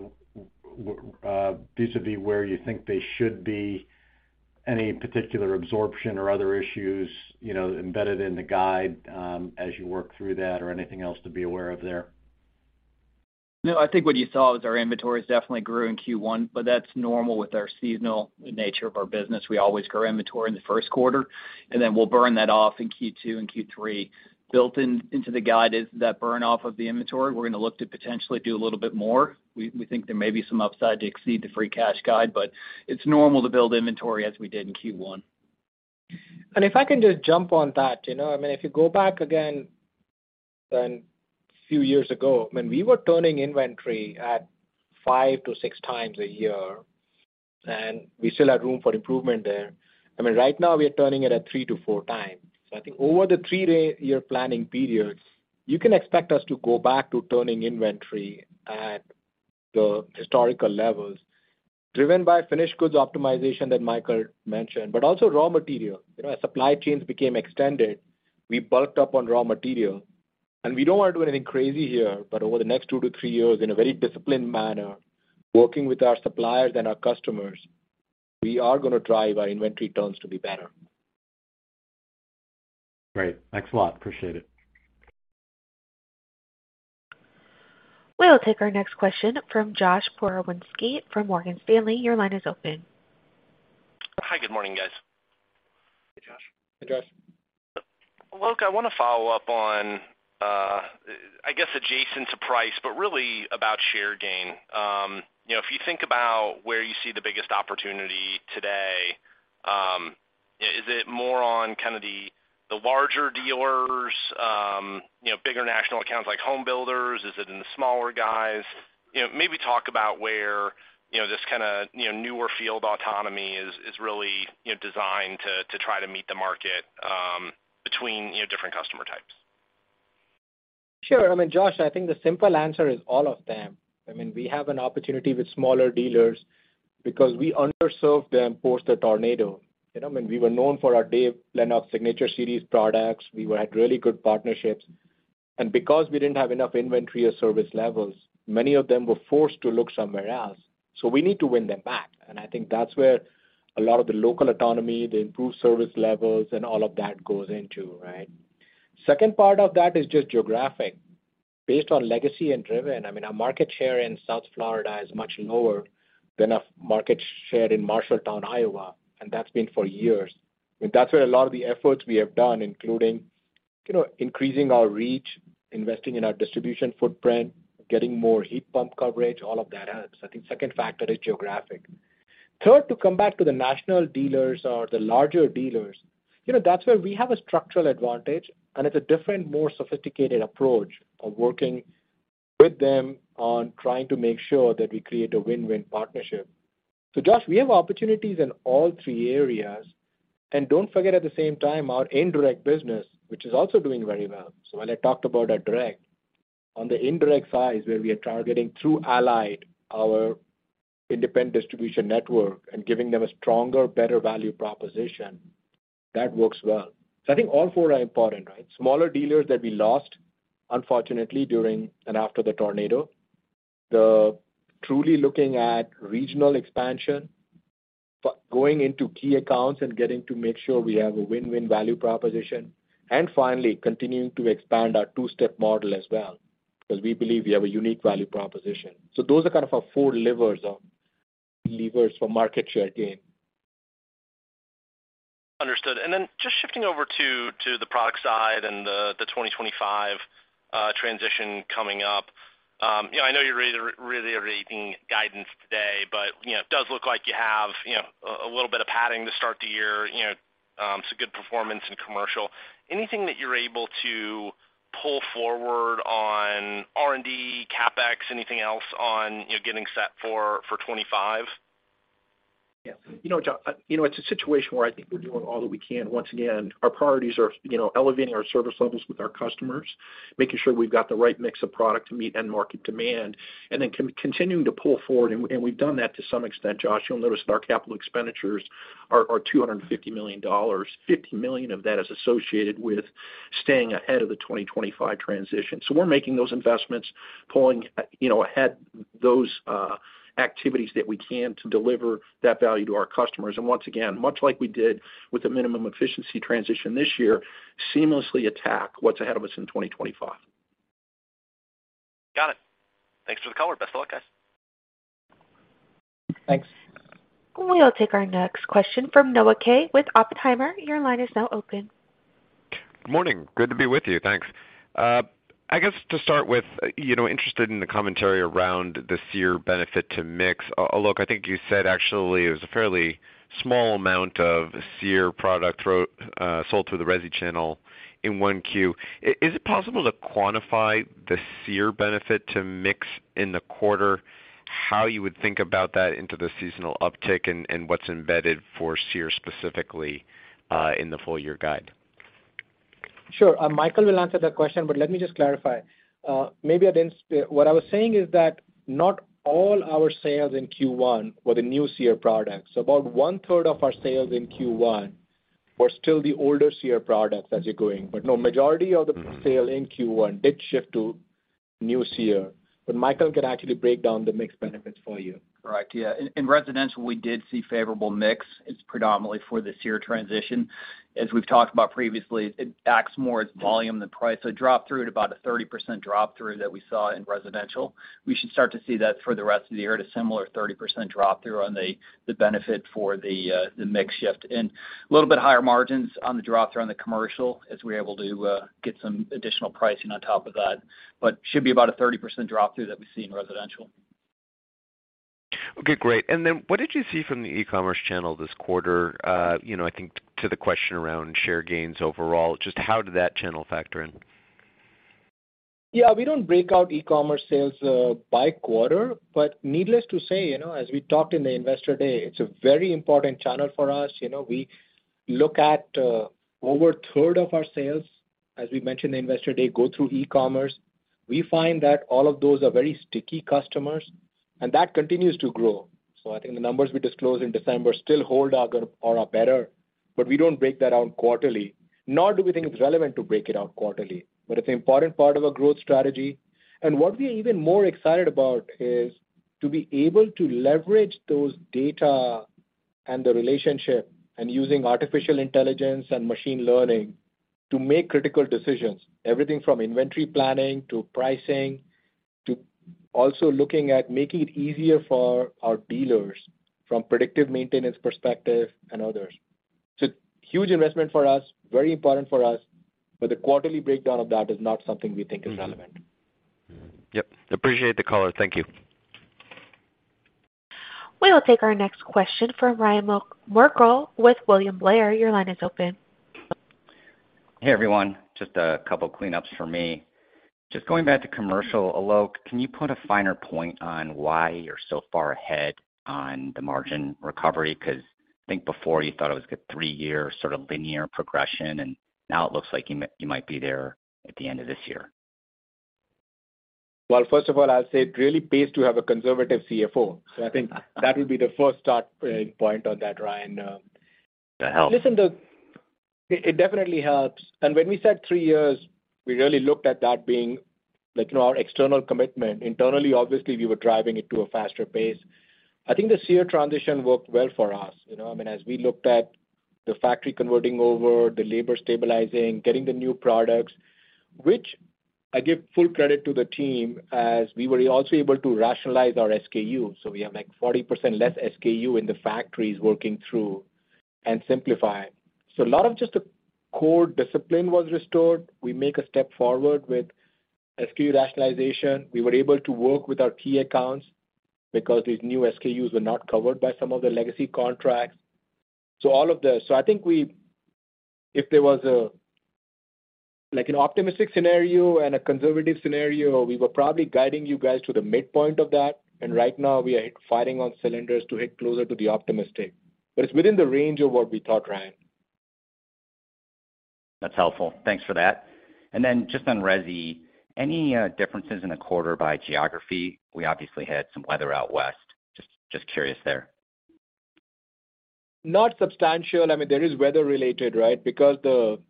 vis-a-vis where you think they should be, any particular absorption or other issues, you know, embedded in the guide, as you work through that or anything else to be aware of there. I think what you saw was our inventories definitely grew in Q1. That's normal with our seasonal nature of our business. We always grow inventory in the first quarter. We'll burn that off in Q2 and Q3. Built in, into the guide is that burn off of the inventory. We're gonna look to potentially do a little bit more. We think there may be some upside to exceed the free cash guide. It's normal to build inventory as we did in Q1. If I can just jump on that, you know, I mean, if you go back again then few years ago, when we were turning inventory at five to six times a year, and we still had room for improvement there. I mean, right now we are turning it at three to four times. I think over the three-day year planning periods, you can expect us to go back to turning inventory at the historical levels, driven by finished goods optimization that Michael mentioned, but also raw material. You know, as supply chains became extended, we bulked up on raw material. We don't wanna do anything crazy here, but over the next two to three years, in a very disciplined manner, working with our suppliers and our customers, we are gonna drive our inventory turns to be better. Great. Thanks a lot. Appreciate it. We will take our next question from Josh Pokrzywinski from Morgan Stanley. Your line is open. Hi, good morning, guys. Hey, Josh. Hey, Josh. Alok, I wanna follow up on, I guess adjacent to price, but really about share gain. You know, if you think about where you see the biggest opportunity today, is it more on kind of the larger dealers, you know, bigger national accounts like home builders? Is it in the smaller guys? You know, maybe talk about where, you know, this kinda, you know, newer field autonomy is really, you know, designed to try to meet the market, between, you know, different customer types. Sure. I mean, Josh, I think the simple answer is all of them. I mean, we have an opportunity with smaller dealers because we underserved them post the tornado. You know, when we were known for our Dave Lennox Signature Collection products, we had really good partnerships. Because we didn't have enough inventory or service levels, many of them were forced to look somewhere else. We need to win them back. I think that's where a lot of the local autonomy, the improved service levels, and all of that goes into, right? Second part of that is just geographic. Based on legacy and driven, I mean, our market share in South Florida is much lower than our market share in Marshalltown, Iowa, and that's been for years. That's where a lot of the efforts we have done, including, you know, increasing our reach, investing in our distribution footprint, getting more heat pump coverage, all of that adds. I think second factor is geographic. Third, to come back to the national dealers or the larger dealers, you know, that's where we have a structural advantage, and it's a different, more sophisticated approach of working with them on trying to make sure that we create a win-win partnership. Josh, we have opportunities in all three areas. Don't forget at the same time, our indirect business, which is also doing very well. While I talked about our direct, on the indirect side is where we are targeting through Allied, our independent distribution network, and giving them a stronger, better value proposition. That works well. I think all four are important, right? Smaller dealers that we lost, unfortunately, during and after the tornado. The truly looking at regional expansion. going into key accounts and getting to make sure we have a win-win value proposition. Finally, continuing to expand our two-step model as well, because we believe we have a unique value proposition. Those are kind of our four levers for market share gain. Understood. Just shifting over to the product side and the 2025 transition coming up. You know, I know you're reiterating guidance today, but, you know, it does look like you have, you know, a little bit of padding to start the year. You know, good performance in commercial. Anything that you're able to pull forward on R&D, CapEx, anything else on, you know, getting set for 25? Yeah. You know, Josh, you know, it's a situation where I think we're doing all that we can. Once again, our priorities are, you know, elevating our service levels with our customers, making sure we've got the right mix of product to meet end market demand, and then continuing to pull forward. We've done that to some extent, Josh. You'll notice that our capital expenditures are $250 million. $50 million of that is associated with staying ahead of the 2025 transition. We're making those investments, pulling, you know, ahead those activities that we can to deliver that value to our customers. Once again, much like we did with the minimum efficiency transition this year, seamlessly attack what's ahead of us in 2025. Got it. Thanks for the color. Best of luck, guys. Thanks. We'll take our next question from Noah Kaye with Oppenheimer. Your line is now open. Good morning. Good to be with you. Thanks. I guess to start with, you know, interested in the commentary around the SEER benefit to mix. Alok, I think you said actually it was a fairly small amount of SEER product sold through the resi channel in 1Q. Is it possible to quantify the SEER benefit to mix in the quarter, how you would think about that into the seasonal uptick and what's embedded for SEER specifically in the full-year guide? Sure. Michael will answer that question, but let me just clarify. Maybe I didn't what I was saying is that not all our sales in Q1 were the new SEER products. About one-third of our sales in Q1 were still the older SEER products as you're going. No, majority of the sale in Q1 did shift to new SEER. Michael can actually break down the mix benefits for you. Right. Yeah. In residential, we did see favorable mix. It's predominantly for the SEER transition. As we've talked about previously, it acts more as volume than price. Drop through at about a 30% drop through that we saw in residential. We should start to see that for the rest of the year at a similar 30% drop through on the benefit for the mix shift. A little bit higher margins on the drop through on the commercial as we're able to get some additional pricing on top of that. Should be about a 30% drop through that we see in residential. Okay. Great. Then what did you see from the e-commerce channel this quarter? You know, I think to the question around share gains overall, just how did that channel factor in? We don't break out e-commerce sales by quarter. Needless to say, you know, as we talked in the Investor Day, it's a very important channel for us. You know, we look at over a third of our sales, as we mentioned in Investor Day, go through e-commerce. We find that all of those are very sticky customers. That continues to grow. I think the numbers we disclosed in December still hold or are better. We don't break that out quarterly, nor do we think it's relevant to break it out quarterly. It's an important part of our growth strategy. What we're even more excited about is to be able to leverage those data and the relationship and using artificial intelligence and machine learning to make critical decisions. Everything from inventory planning to pricing, to also looking at making it easier for our dealers from predictive maintenance perspective and others. It's a huge investment for us, very important for us. The quarterly breakdown of that is not something we think is relevant. Yep. Appreciate the color. Thank you. We'll take our next question from Ryan Merkel with William Blair. Your line is open. Hey, everyone. Just a couple cleanups for me. Just going back to commercial, Alok, can you put a finer point on why you're so far ahead on the margin recovery? 'Cause I think before you thought it was a 3-year sort of linear progression, and now it looks like you might be there at the end of this year. First of all, I'll say it really pays to have a conservative CFO. I think that would be the first start, point on that, Ryan. That helps. Listen, the... It definitely helps. When we said 3 years, we really looked at that being. you know, our external commitment. Internally, obviously, we were driving it to a faster pace. I think the SEER transition worked well for us, you know. I mean, as we looked at the factory converting over, the labor stabilizing, getting the new products, which I give full credit to the team as we were also able to rationalize our SKU. We have, like, 40% less SKU in the factories working through and simplifying. A lot of just the core discipline was restored. We make a step forward with SKU rationalization. We were able to work with our key accounts because these new SKUs were not covered by some of the legacy contracts. All of the... I think we if there was a, like, an optimistic scenario and a conservative scenario, we were probably guiding you guys to the midpoint of that. Right now, we are firing on cylinders to hit closer to the optimistic, but it's within the range of what we thought, Ryan. That's helpful. Thanks for that. Then just on resi, any differences in the quarter by geography? We obviously had some weather out West. Just curious there. Not substantial. I mean, there is weather related, right? Because the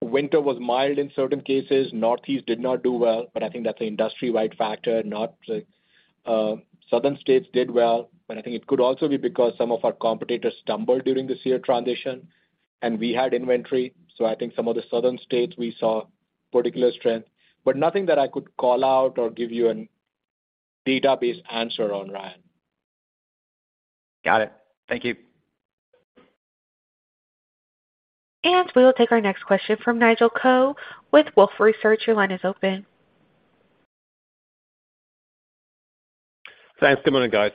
winter was mild in certain cases, Northeast did not do well, but I think that's an industry-wide factor, not, southern states did well. I think it could also be because some of our competitors stumbled during the SEER transition, and we had inventory. I think some of the southern states we saw particular strength, but nothing that I could call out or give you an data-based answer on, Ryan. Got it. Thank you. We will take our next question from Nigel Coe with Wolfe Research. Your line is open. Thanks. Good morning, guys.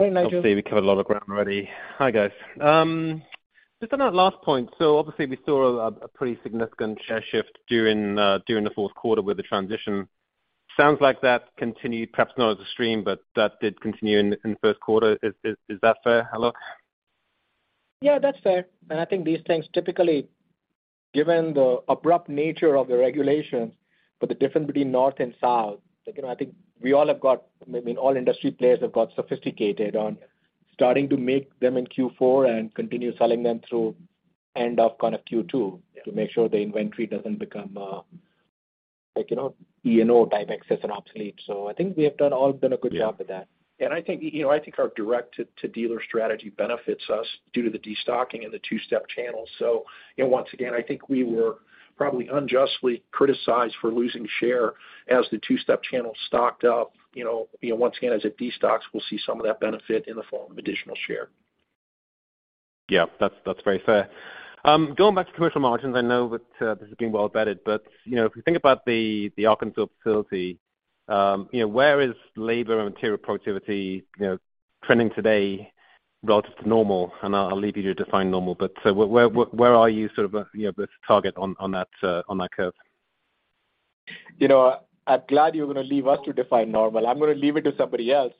Hey, Nigel. Obviously, we covered a lot of ground already. Hi, guys. Just on that last point, obviously we saw a pretty significant share shift during the fourth quarter with the transition. Sounds like that continued, perhaps not as extreme, but that did continue in the first quarter. Is that fair, Alok? Yeah, that's fair. I think these things typically, given the abrupt nature of the regulations, but the difference between north and south, like, you know, I think we all have got, I mean, all industry players have got sophisticated on starting to make them in Q4 and continue selling them through end of kind of Q2 to make sure the inventory doesn't become, like, you know, E&O type excess and obsolete. I think we have done a good job with that. I think, you know, I think our direct to dealer strategy benefits us due to the destocking and the two-step channels. You know, once again, I think we were probably unjustly criticized for losing share as the two-step channel stocked up. You know, once again, as it destocks, we'll see some of that benefit in the form of additional share. Yeah. That's, that's very fair. Going back to commercial margins, I know that, this has been well vetted, but, you know, if you think about the Arkansas facility, you know, where is labor and material productivity, you know, trending today relative to normal? I'll leave you to define normal. Where are you sort of, you know, with target on that, on that curve? You know, I'm glad you're gonna leave us to define normal. I'm gonna leave it to somebody else.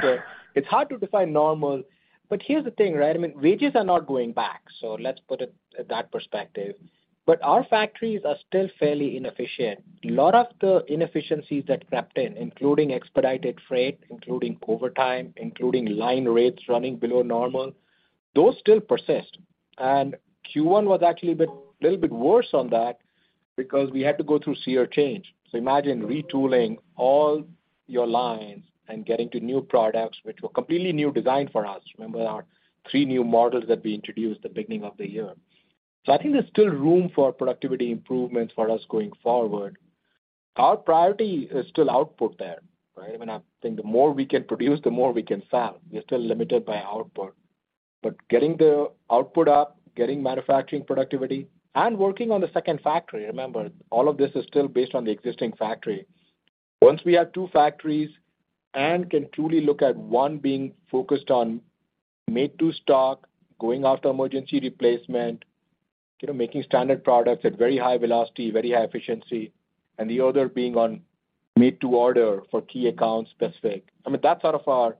It's hard to define normal, but here's the thing, right? I mean, wages are not going back, so let's put it at that perspective. Our factories are still fairly inefficient. A lot of the inefficiencies that crept in, including expedited freight, including overtime, including line rates running below normal, those still persist. Q1 was actually a little bit worse on that because we had to go through SEER change. Imagine retooling all your lines and getting to new products, which were completely new design for us. Remember our 3 new models that we introduced the beginning of the year. I think there's still room for productivity improvements for us going forward. Our priority is still output there, right? I mean, I think the more we can produce, the more we can sell. We're still limited by output. Getting the output up, getting manufacturing productivity, and working on the second factory. Remember, all of this is still based on the existing factory. Once we have two factories and can truly look at one being focused on made to stock, going after emergency replacement, you know, making standard products at very high velocity, very high efficiency, and the other being on made to order for key account specific. I mean, that's sort of our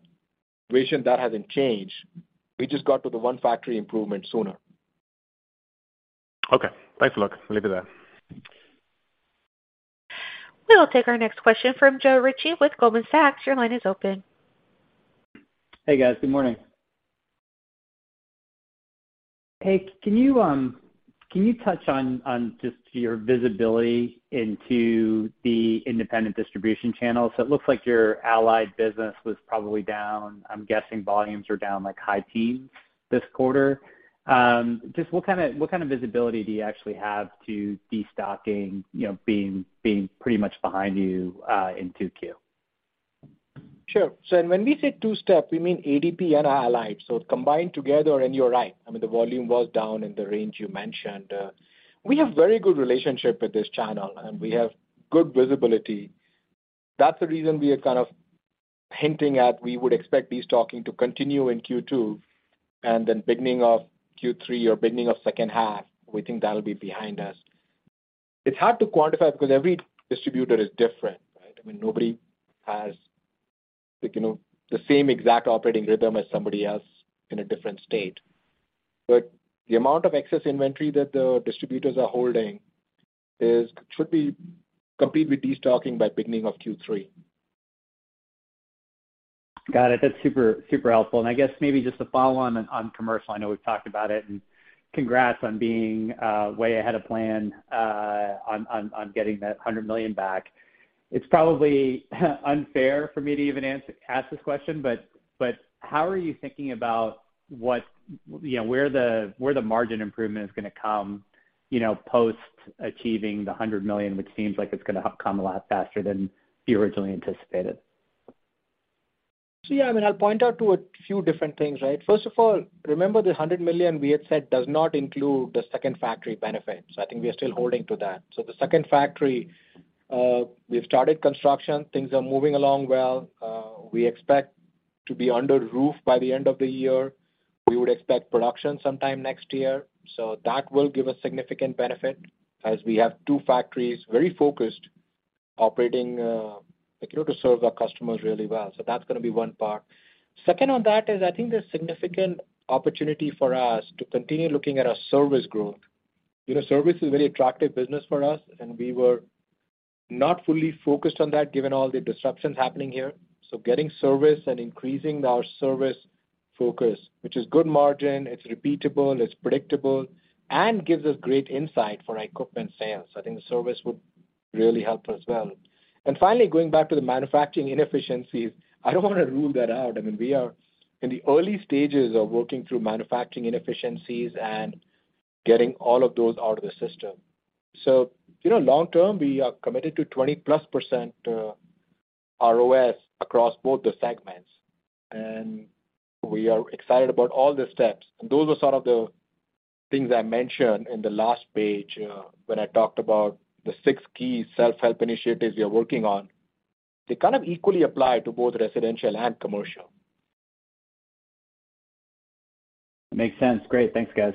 vision. That hasn't changed. We just got to the one factory improvement sooner. Okay. Thanks, Alok. We'll leave it there. We'll take our next question from Joe Ritchie with Goldman Sachs. Your line is open. Guys. Good morning. Can you touch on just your visibility into the independent distribution channels? It looks like your Allied business was probably down. I'm guessing volumes are down like high teens this quarter. Just what kinda visibility do you actually have to destocking, you know, being pretty much behind you in 2Q? Sure. When we say two step, we mean ADP and Allied, so combined together, and you're right. I mean, the volume was down in the range you mentioned. We have very good relationship with this channel, and we have good visibility. That's the reason we are kind of hinting at we would expect destocking to continue in Q2 and then beginning of Q3 or beginning of second half, we think that'll be behind us. It's hard to quantify because every distributor is different, right? I mean, nobody has, like, you know, the same exact operating rhythm as somebody else in a different state. The amount of excess inventory that the distributors are holding should be complete with destocking by beginning of Q3. Got it. That's super helpful. I guess maybe just to follow on commercial, I know we've talked about it, congrats on being way ahead of plan on getting that $100 million back. It's probably unfair for me to even ask this question, how are you thinking about what, you know, where the margin improvement is gonna come, you know, post achieving the $100 million, which seems like it's gonna come a lot faster than you originally anticipated? Yeah, I mean, I'll point out to a few different things, right? First of all, remember the $100 million we had said does not include the second factory benefit. I think we are still holding to that. The second factory, we've started construction. Things are moving along well. We expect to be under roof by the end of the year. We would expect production sometime next year. That will give a significant benefit as we have 2 factories, very focused, operating, like, you know, to serve our customers really well. That's gonna be one part. Second on that is, I think there's significant opportunity for us to continue looking at our service growth. You know, service is a very attractive business for us, and we were not fully focused on that given all the disruptions happening here. Getting service and increasing our service focus, which is good margin, it's repeatable, it's predictable, and gives us great insight for our equipment sales. I think the service will really help as well. Finally, going back to the manufacturing inefficiencies, I don't wanna rule that out. I mean, we are in the early stages of working through manufacturing inefficiencies and getting all of those out of the system. You know, long term, we are committed to 20+% ROS across both the segments, and we are excited about all the steps. Those are sort of the things I mentioned in the last page, when I talked about the six key self-help initiatives we are working on. They kind of equally apply to both residential and commercial. Makes sense. Great. Thanks, guys.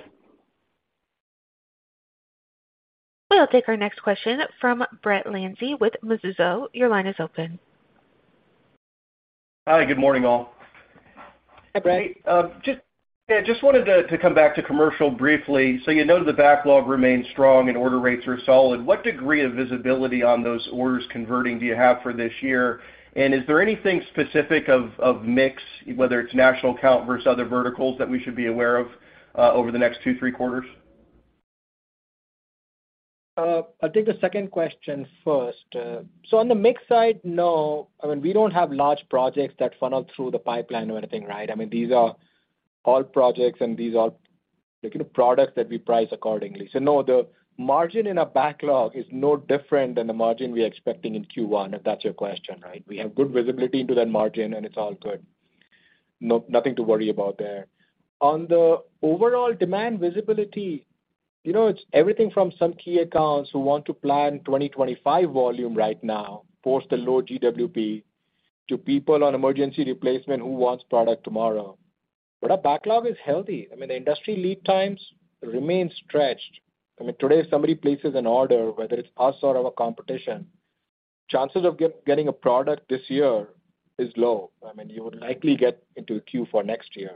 We'll take our next question from Brett Linzey with Mizuho. Your line is open. Hi, good morning, all. Hi, Brett. Just, yeah, just wanted to come back to commercial briefly. You noted the backlog remains strong and order rates are solid. What degree of visibility on those orders converting do you have for this year? Is there anything specific of mix, whether it's national account versus other verticals that we should be aware of over the next 2, 3 quarters? I'll take the second question first. On the mix side, no, I mean, we don't have large projects that funnel through the pipeline or anything, right? I mean, these are all projects and these are like products that we price accordingly. No, the margin in our backlog is no different than the margin we are expecting in Q1, if that's your question, right? We have good visibility into that margin, and it's all good. Nothing to worry about there. On the overall demand visibility, you know, it's everything from some key accounts who want to plan 2025 volume right now, post the low GWP, to people on emergency replacement who wants product tomorrow. Our backlog is healthy. I mean, the industry lead times remain stretched. I mean, today, if somebody places an order, whether it's us or our competition, chances of getting a product this year is low. I mean, you would likely get into a queue for next year.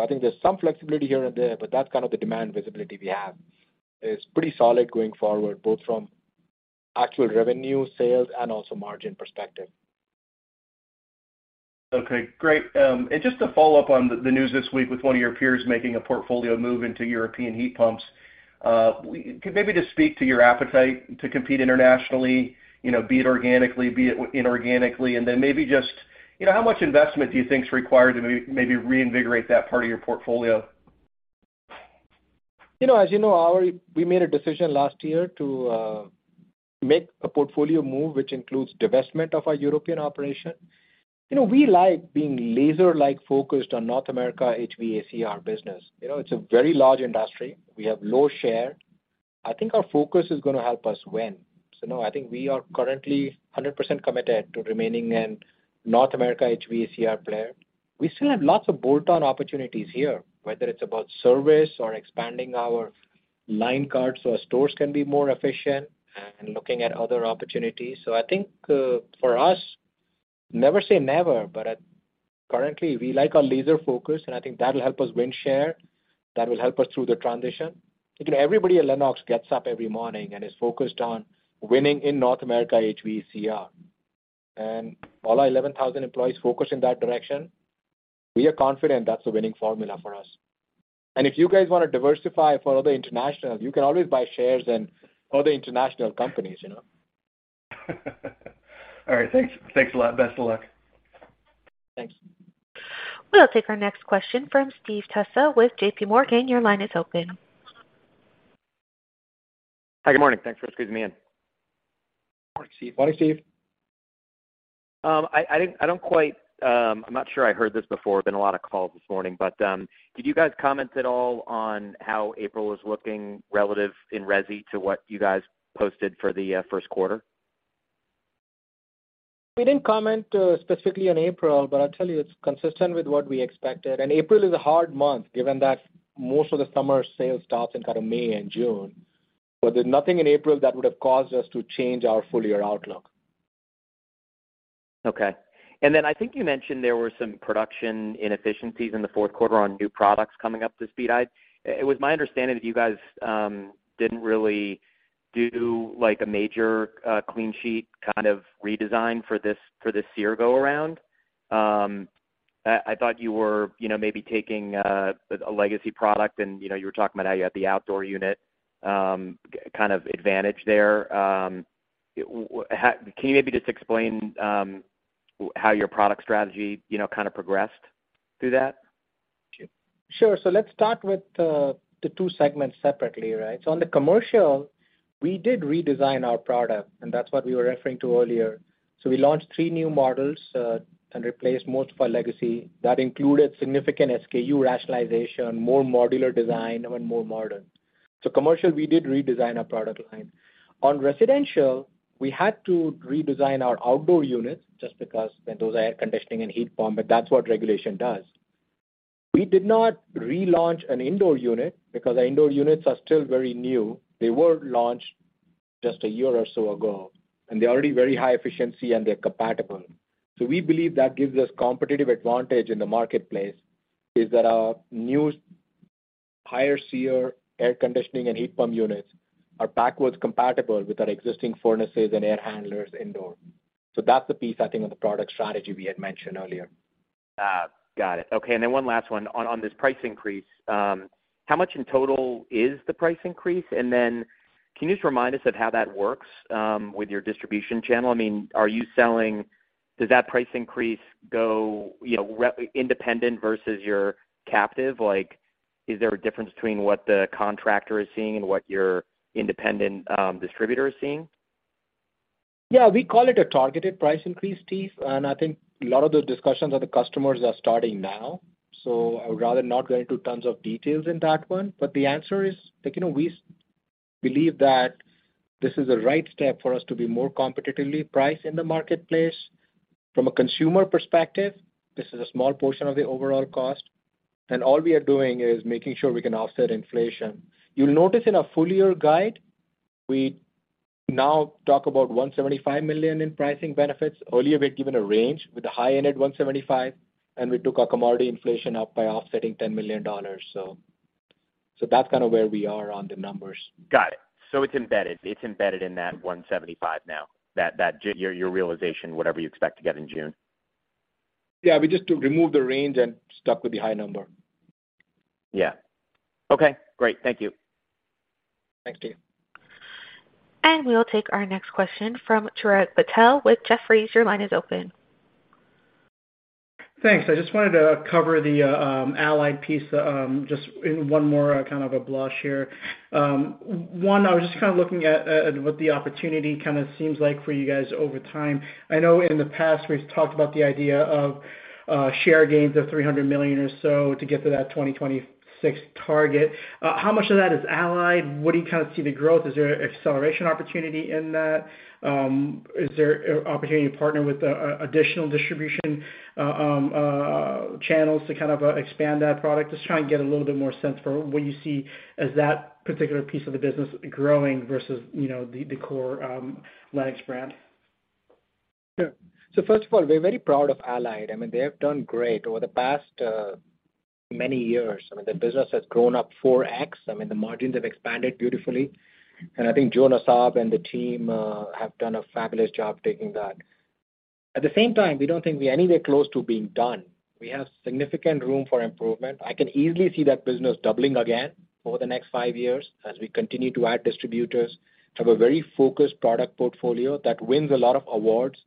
I think there's some flexibility here and there, but that's kind of the demand visibility we have. It's pretty solid going forward, both from actual revenue sales and also margin perspective. Okay, great. Just to follow up on the news this week with one of your peers making a portfolio move into European heat pumps, can maybe just speak to your appetite to compete internationally, you know, be it organically, be it inorganically, and then maybe just, you know, how much investment do you think is required to maybe reinvigorate that part of your portfolio? You know, as you know, we made a decision last year to make a portfolio move, which includes divestment of our European operation. You know, we like being laser-like focused on North America HVACR business. You know, it's a very large industry. We have low share. I think our focus is gonna help us win. No, I think we are currently 100% committed to remaining a North America HVACR player. We still have lots of bolt-on opportunities here, whether it's about service or expanding our line card so our stores can be more efficient and looking at other opportunities. I think for us, never say never, but currently, we like our laser focus, and I think that'll help us win share. That will help us through the transition. You know, everybody at Lennox gets up every morning and is focused on winning in North America HVACR. All our 11,000 employees focus in that direction. We are confident that's a winning formula for us. If you guys wanna diversify for other internationals, you can always buy shares in other international companies, you know. All right. Thanks. Thanks a lot. Best of luck. Thanks. We'll take our next question from Steve Tusa with J.P. Morgan. Your line is open. Hi, good morning. Thanks for squeezing me in. Morning, Steve. Morning, Steve. I don't quite... I'm not sure I heard this before. Been a lot of calls this morning, but did you guys comment at all on how April is looking relative in resi to what you guys posted for the first quarter? We didn't comment, specifically on April, but I'll tell you it's consistent with what we expected. April is a hard month given that most of the summer sales starts in kind of May and June. There's nothing in April that would have caused us to change our full year outlook. Okay. I think you mentioned there were some production inefficiencies in the fourth quarter on new products coming up to speed. It was my understanding that you guys didn't really do like a major clean sheet kind of redesign for this SEER go around? I thought you were, you know, maybe taking a legacy product and, you know, you were talking about how you had the outdoor unit kind of advantage there. How can you maybe just explain how your product strategy, you know, kind of progressed through that? Let's start with the two segments separately, right? On the commercial, we did redesign our product, and that's what we were referring to earlier. We launched three new models and replaced most of our legacy. That included significant SKU rationalization, more modular design and went more modern. Commercial, we did redesign our product line. On residential, we had to redesign our outdoor units just because those are air conditioning and heat pump, but that's what regulation does. We did not relaunch an indoor unit because our indoor units are still very new. They were launched just a year or so ago, and they're already very high efficiency and they're compatible. We believe that gives us competitive advantage in the marketplace, is that our new higher SEER air conditioning and heat pump units are backwards compatible with our existing furnaces and air handlers indoor. That's the piece, I think, of the product strategy we had mentioned earlier. Got it. One last one on this price increase. How much in total is the price increase? Can you just remind us of how that works, with your distribution channel? I mean, are you selling... Does that price increase go, you know, independent versus your captive? Like, is there a difference between what the contractor is seeing and what your independent, distributor is seeing? Yeah, we call it a targeted price increase, Steve. I think a lot of the discussions with the customers are starting now. I'd rather not go into tons of details in that one. The answer is that, you know, we believe that this is the right step for us to be more competitively priced in the marketplace. From a consumer perspective, this is a small portion of the overall cost, and all we are doing is making sure we can offset inflation. You'll notice in our full-year guide, we now talk about $175 million in pricing benefits. Earlier, we'd given a range with the high-end at $175, and we took our commodity inflation up by offsetting $10 million. So that's kind of where we are on the numbers. Got it. It's embedded in that $175 now, that Your realization, whatever you expect to get in June. Yeah, we just remove the range and stuck with the high number. Yeah. Okay, great. Thank you. Thanks, Steve. We'll take our next question from Chirag Patel with Jefferies. Your line is open. Thanks. I just wanted to cover the Allied piece just in one more kind of a blush here. One, I was just kind of looking at what the opportunity kind of seems like for you guys over time. I know in the past, we've talked about the idea of share gains of $300 million or so to get to that 2026 target. How much of that is Allied? What do you kind of see the growth? Is there an acceleration opportunity in that? Is there an opportunity to partner with additional distribution channels to kind of expand that product? Just trying to get a little bit more sense for what you see as that particular piece of the business growing versus, you know, the core Lennox brand. Sure. First of all, we're very proud of Allied. I mean, they have done great over the past, many years. I mean, the business has grown up 4x. I mean, the margins have expanded beautifully. I think Joe Nassab and the team have done a fabulous job taking that. At the same time, we don't think we're anywhere close to being done. We have significant room for improvement. I can easily see that business doubling again over the next five years as we continue to add distributors. Have a very focused product portfolio that wins a lot of awards,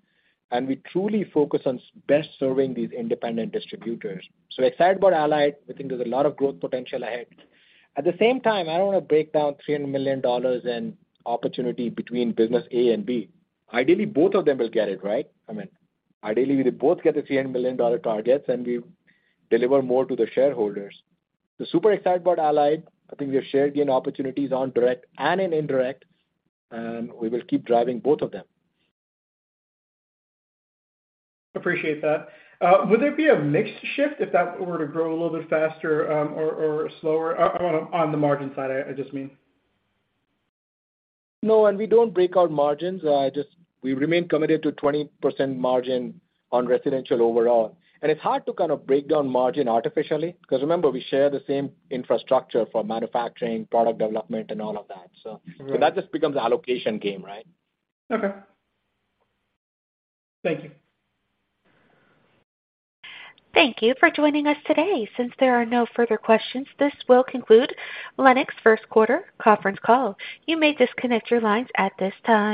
and we truly focus on best serving these independent distributors. Excited about Allied. We think there's a lot of growth potential ahead. At the same time, I don't wanna break down $300 million in opportunity between business A and B. Ideally, both of them will get it, right? I mean, ideally, we both get the $300 million targets. We deliver more to the shareholders. Super excited about Allied. I think we have share gain opportunities on direct and in indirect. We will keep driving both of them. Appreciate that. Would there be a mix shift if that were to grow a little bit faster, or slower, on the margin side, I just mean? No. We don't break our margins. We remain committed to 20% margin on residential overall. It's hard to kind of break down margin artificially, 'cause remember, we share the same infrastructure for manufacturing, product development, and all of that. That just becomes allocation game, right? Okay. Thank you. Thank you for joining us today. Since there are no further questions, this will conclude Lennox first quarter conference call. You may disconnect your lines at this time.